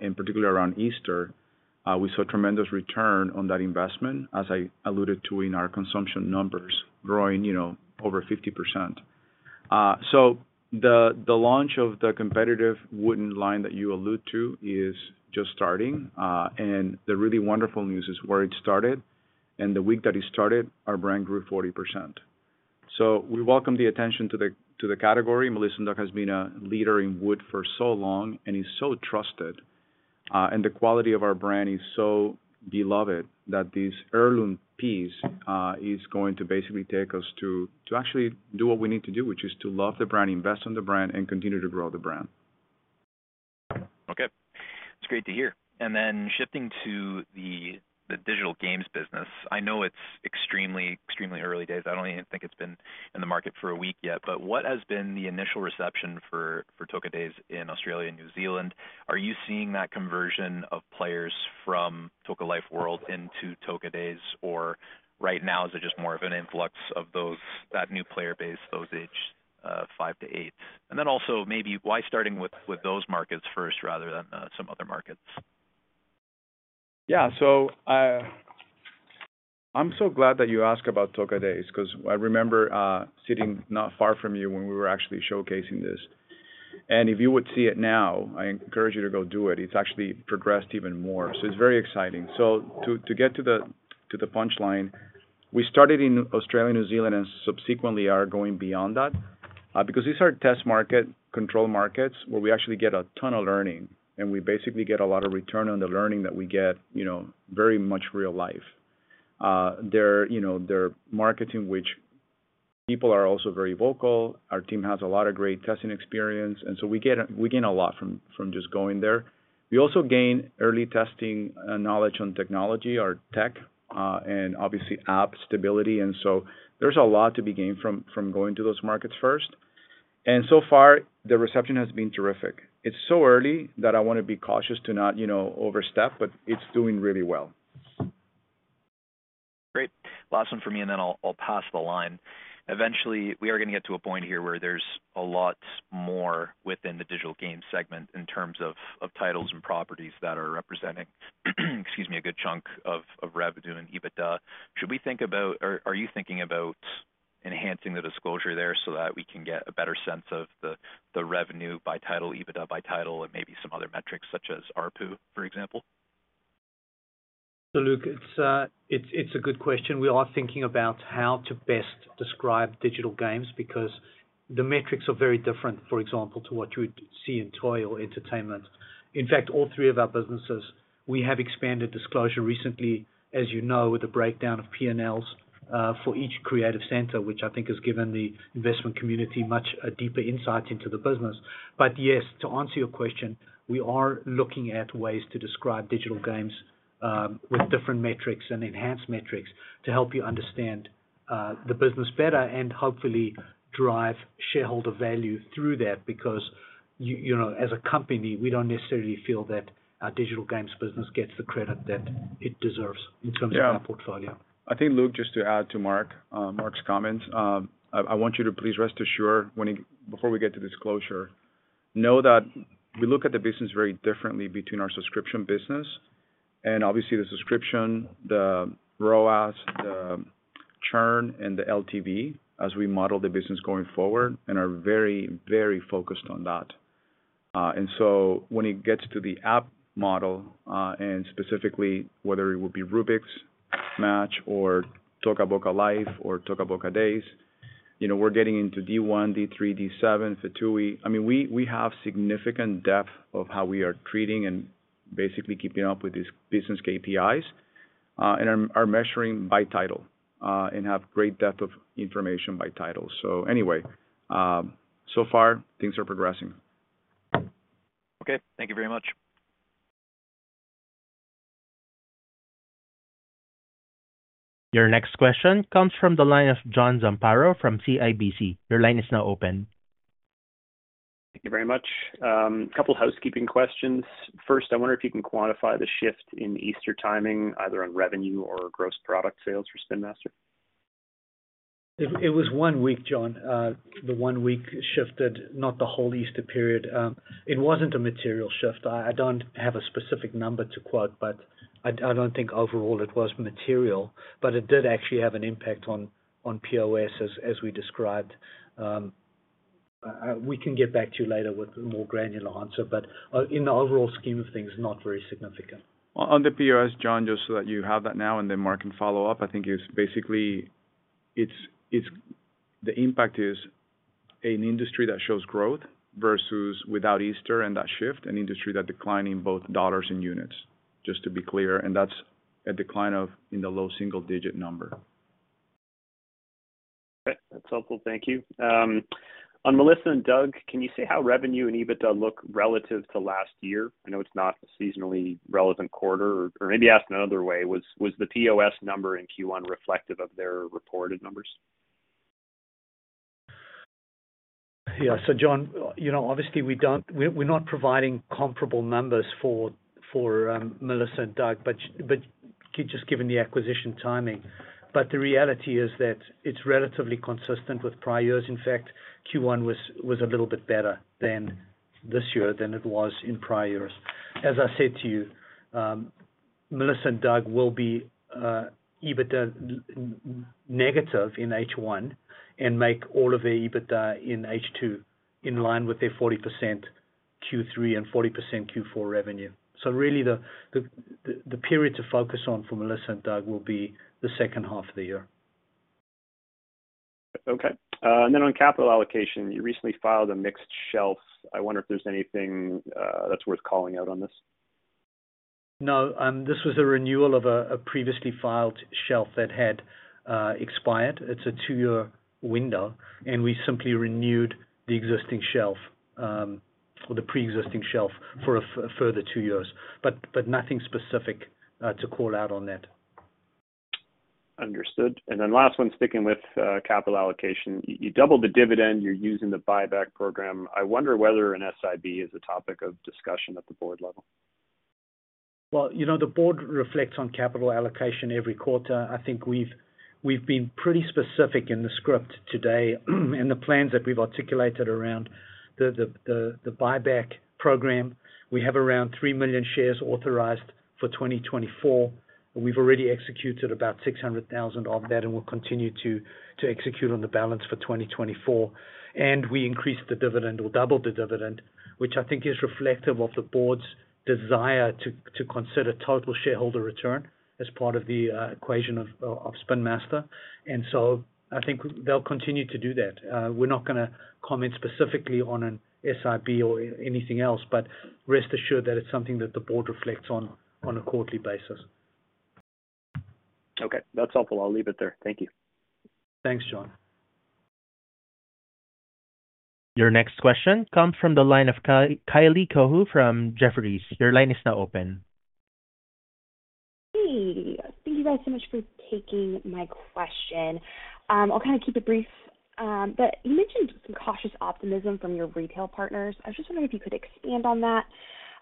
in particular around Easter, we saw tremendous return on that investment, as I alluded to in our consumption numbers growing, you know, over 50%. So the launch of the competitive wooden line that you allude to is just starting. And the really wonderful news is, where it started, and the week that it started, our brand grew 40%. So we welcome the attention to the, to the category. Melissa & Doug has been a leader in wood for so long and is so trusted, and the quality of our brand is so beloved that this heirloom piece is going to basically take us to, to actually do what we need to do, which is to love the brand, invest on the brand, and continue to grow the brand. Okay. It's great to hear. And then shifting to the digital games business, I know it's extremely early days. I don't even think it's been in the market for a week yet, but what has been the initial reception for Toca Boca Days in Australia and New Zealand? Are you seeing that conversion of players from Toca Life World into Toca Boca Days? Or right now, is it just more of an influx of that new player base, those aged five to eight? And then also maybe why starting with those markets first rather than some other markets? Yeah. So, I'm so glad that you asked about Toca Boca Days, 'cause I remember sitting not far from you when we were actually showcasing this. And if you would see it now, I encourage you to go do it. It's actually progressed even more, so it's very exciting. So to get to the punchline, we started in Australia and New Zealand and subsequently are going beyond that, because these are test markets, control markets, where we actually get a ton of learning, and we basically get a lot of return on the learning that we get, you know, very much real life. They're, you know, they're markets in which people are also very vocal. Our team has a lot of great testing experience, and so we gain a lot from just going there. We also gain early testing knowledge on technology, our tech, and obviously app stability, and so there's a lot to be gained from going to those markets first. And so far, the reception has been terrific. It's so early that I want to be cautious to not, you know, overstep, but it's doing really well. Great. Last one for me, and then I'll pass the line. Eventually, we are going to get to a point here where there's a lot more within the digital games segment in terms of titles and properties that are representing, excuse me, a good chunk of revenue and EBITDA. Should we think about... Or are you thinking about enhancing the disclosure there so that we can get a better sense of the revenue by title, EBITDA by title, and maybe some other metrics such as ARPU, for example? So Luke, it's a good question. We are thinking about how to best describe digital games because the metrics are very different, for example, to what you would see in toy or entertainment. In fact, all three of our businesses, we have expanded disclosure recently, as you know, with the breakdown of PNLs for each creative center, which I think has given the investment community much a deeper insight into the business. But yes, to answer your question, we are looking at ways to describe digital games with different metrics and enhanced metrics to help you understand the business better and hopefully drive shareholder value through that. Because you know, as a company, we don't necessarily feel that our digital games business gets the credit that it deserves in terms of our portfolio. Yeah. I think, Luke, just to add to Mark, Mark's comments, I want you to please rest assured, before we get to disclosure, know that we look at the business very differently between our subscription business and obviously the subscription, the ROAS, the churn, and the LTV as we model the business going forward, and are very, very focused on that. And so when it gets to the app model, and specifically whether it would be Rubik's Match or Toca Life World or Toca Boca Days, you know, we're getting into D1, D3, D7, FTUE. I mean, we have significant depth of how we are treating and basically keeping up with these business KPIs, and are measuring by title, and have great depth of information by title. So anyway, so far, things are progressing. Okay, thank you very much. Your next question comes from the line of John Zamparo from CIBC. Your line is now open. Thank you very much. A couple housekeeping questions. First, I wonder if you can quantify the shift in Easter timing, either on revenue or gross product sales for Spin Master. It was one week, John. The one week shifted, not the whole Easter period. It wasn't a material shift. I don't have a specific number to quote, but I don't think overall it was material, but it did actually have an impact on POS, as we described. We can get back to you later with a more granular answer, but in the overall scheme of things, not very significant. Well, on the POS, John, just so that you have that now and then Mark can follow up, I think it's basically it's the impact is an industry that shows growth versus without Easter and that shift, an industry that's declining both dollars and units, just to be clear, and that's a decline in the low single digit number. Okay, that's helpful. Thank you. On Melissa & Doug, can you say how revenue and EBITDA look relative to last year? I know it's not a seasonally relevant quarter. Or, maybe asked another way, was the POS number in Q1 reflective of their reported numbers? Yeah. So John, you know, obviously we don't, we, we're not providing comparable numbers for Melissa & Doug, but just given the acquisition timing. But the reality is that it's relatively consistent with prior years. In fact, Q1 was a little bit better this year than it was in prior years. As I said to you, Melissa & Doug will be EBITDA negative in H1, and make all of their EBITDA in H2, in line with their 40% Q3 and 40% Q4 revenue. So really, the period to focus on for Melissa & Doug will be the second half of the year. Okay. And then on capital allocation, you recently filed a mixed shelf. I wonder if there's anything that's worth calling out on this? No, this was a renewal of a previously filed shelf that had expired. It's a two-year window, and we simply renewed the existing shelf or the pre-existing shelf for a further two years. But nothing specific to call out on that. Understood. And then last one, sticking with capital allocation. You doubled the dividend, you're using the buyback program. I wonder whether an NCIB is a topic of discussion at the board level? Well, you know, the board reflects on capital allocation every quarter. I think we've been pretty specific in the script today, and the plans that we've articulated around the buyback program. We have around 3 million shares authorized for 2024, and we've already executed about 600,000 of that, and we'll continue to execute on the balance for 2024. And we increased the dividend, or doubled the dividend, which I think is reflective of the board's desire to consider total shareholder return as part of the equation of Spin Master. And so I think they'll continue to do that. We're not gonna comment specifically on an NCIB or anything else, but rest assured that it's something that the board reflects on a quarterly basis. Okay, that's helpful. I'll leave it there. Thank you. Thanks, John. Your next question comes from the line of Kylie Cohu from Jefferies. Your line is now open. Hey, thank you guys so much for taking my question. I'll kind of keep it brief, but you mentioned some cautious optimism from your retail partners. I was just wondering if you could expand on that.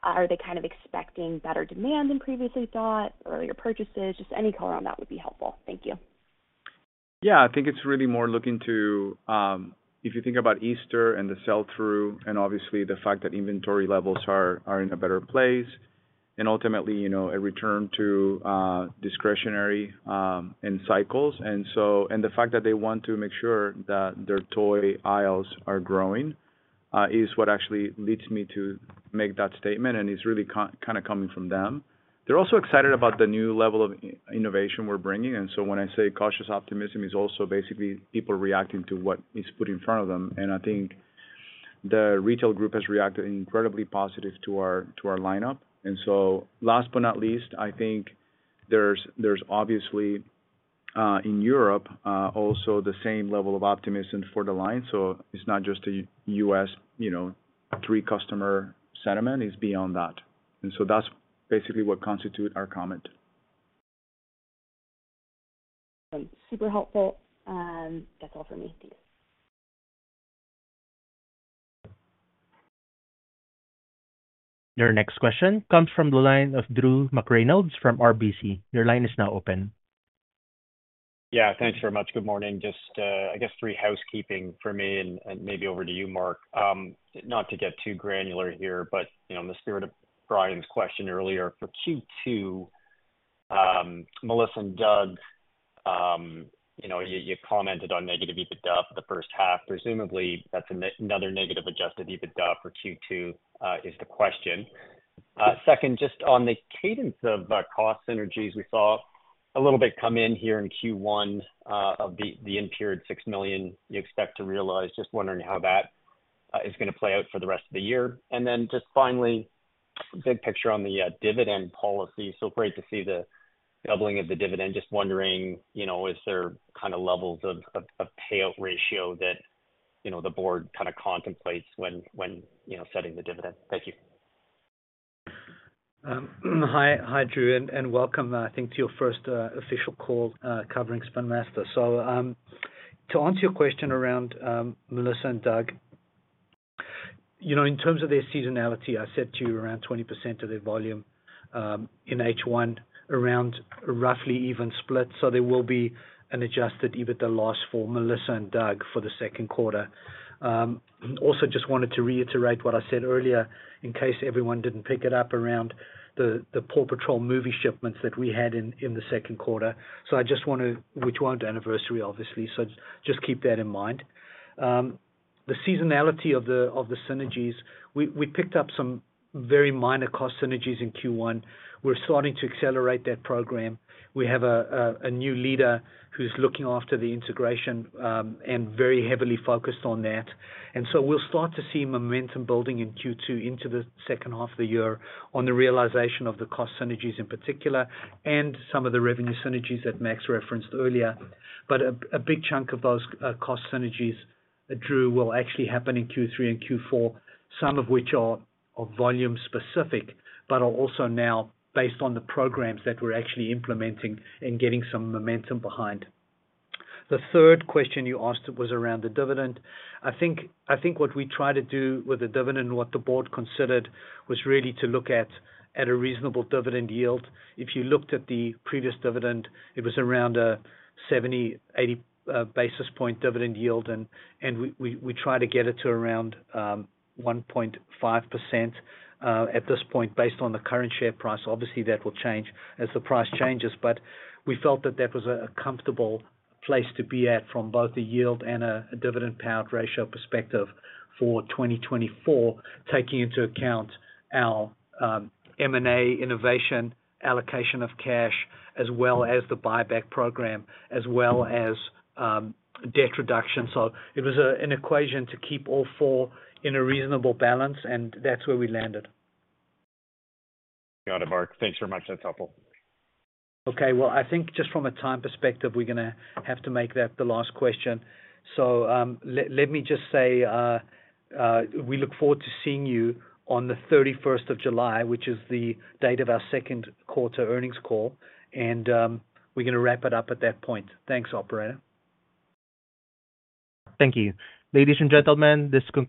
Are they kind of expecting better demand than previously thought, earlier purchases? Just any color on that would be helpful. Thank you. Yeah, I think it's really more looking to if you think about Easter and the sell-through, and obviously the fact that inventory levels are in a better place, and ultimately, you know, a return to discretionary in cycles. And the fact that they want to make sure that their toy aisles are growing is what actually leads me to make that statement, and it's really kind of coming from them. They're also excited about the new level of innovation we're bringing, and so when I say cautious optimism, is also basically people reacting to what is put in front of them. And I think the retail group has reacted incredibly positive to our lineup. So last but not least, I think there's obviously in Europe also the same level of optimism for the line. So it's not just a U.S., you know, true customer sentiment, it's beyond that. And so that's basically what constitute our comment. Super helpful. That's all for me. Thanks. Your next question comes from the line of Drew McReynolds from RBC. Your line is now open. Yeah, thanks very much. Good morning. Just, I guess three housekeeping for me, and, and maybe over to you, Mark. Not to get too granular here, but you know, in the spirit of Brian's question earlier, for Q2, Melissa & Doug, you know, you, you commented on negative EBITDA for the first half. Presumably, that's another negative adjusted EBITDA for Q2, is the question. Second, just on the cadence of, cost synergies, we saw a little bit come in here in Q1, of the, the in-period $6 million you expect to realize. Just wondering how that, is gonna play out for the rest of the year. And then just finally, big picture on the, dividend policy. So great to see the doubling of the dividend. Just wondering, you know, is there kind of levels of payout ratio that, you know, the board kind of contemplates when you know, setting the dividend? Thank you. Hi, hi, Drew, and welcome, I think, to your first official call covering Spin Master. So, to answer your question around Melissa & Doug, you know, in terms of their seasonality, I said to you around 20% of their volume in H1, around roughly even split. So there will be an Adjusted EBITDA loss for Melissa & Doug for the second quarter. Also just wanted to reiterate what I said earlier, in case everyone didn't pick it up around the PAW Patrol movie shipments that we had in the second quarter. So I just want to... which was the anniversary, obviously, so just keep that in mind. The seasonality of the synergies, we picked up some very minor cost synergies in Q1. We're starting to accelerate that program. We have a new leader who's looking after the integration, and very heavily focused on that. And so we'll start to see momentum building in Q2 into the second half of the year on the realization of the cost synergies in particular, and some of the revenue synergies that Max referenced earlier. But a big chunk of those cost synergies, Drew, will actually happen in Q3 and Q4, some of which are volume specific, but are also now based on the programs that we're actually implementing and getting some momentum behind. The third question you asked was around the dividend. I think what we tried to do with the dividend, and what the board considered, was really to look at a reasonable dividend yield. If you looked at the previous dividend, it was around a 70-80 basis point dividend yield, and we tried to get it to around 1.5%, at this point, based on the current share price. Obviously, that will change as the price changes. But we felt that that was a comfortable place to be at from both the yield and a dividend payout ratio perspective for 2024, taking into account our M&A innovation, allocation of cash, as well as the buyback program, as well as debt reduction. So it was an equation to keep all four in a reasonable balance, and that's where we landed. Got it, Mark. Thanks very much. That's helpful. Okay. Well, I think just from a time perspective, we're gonna have to make that the last question. So, let me just say, we look forward to seeing you on the thirty-first of July, which is the date of our second quarter earnings call, and, we're gonna wrap it up at that point. Thanks, operator. Thank you. Ladies and gentlemen, this con-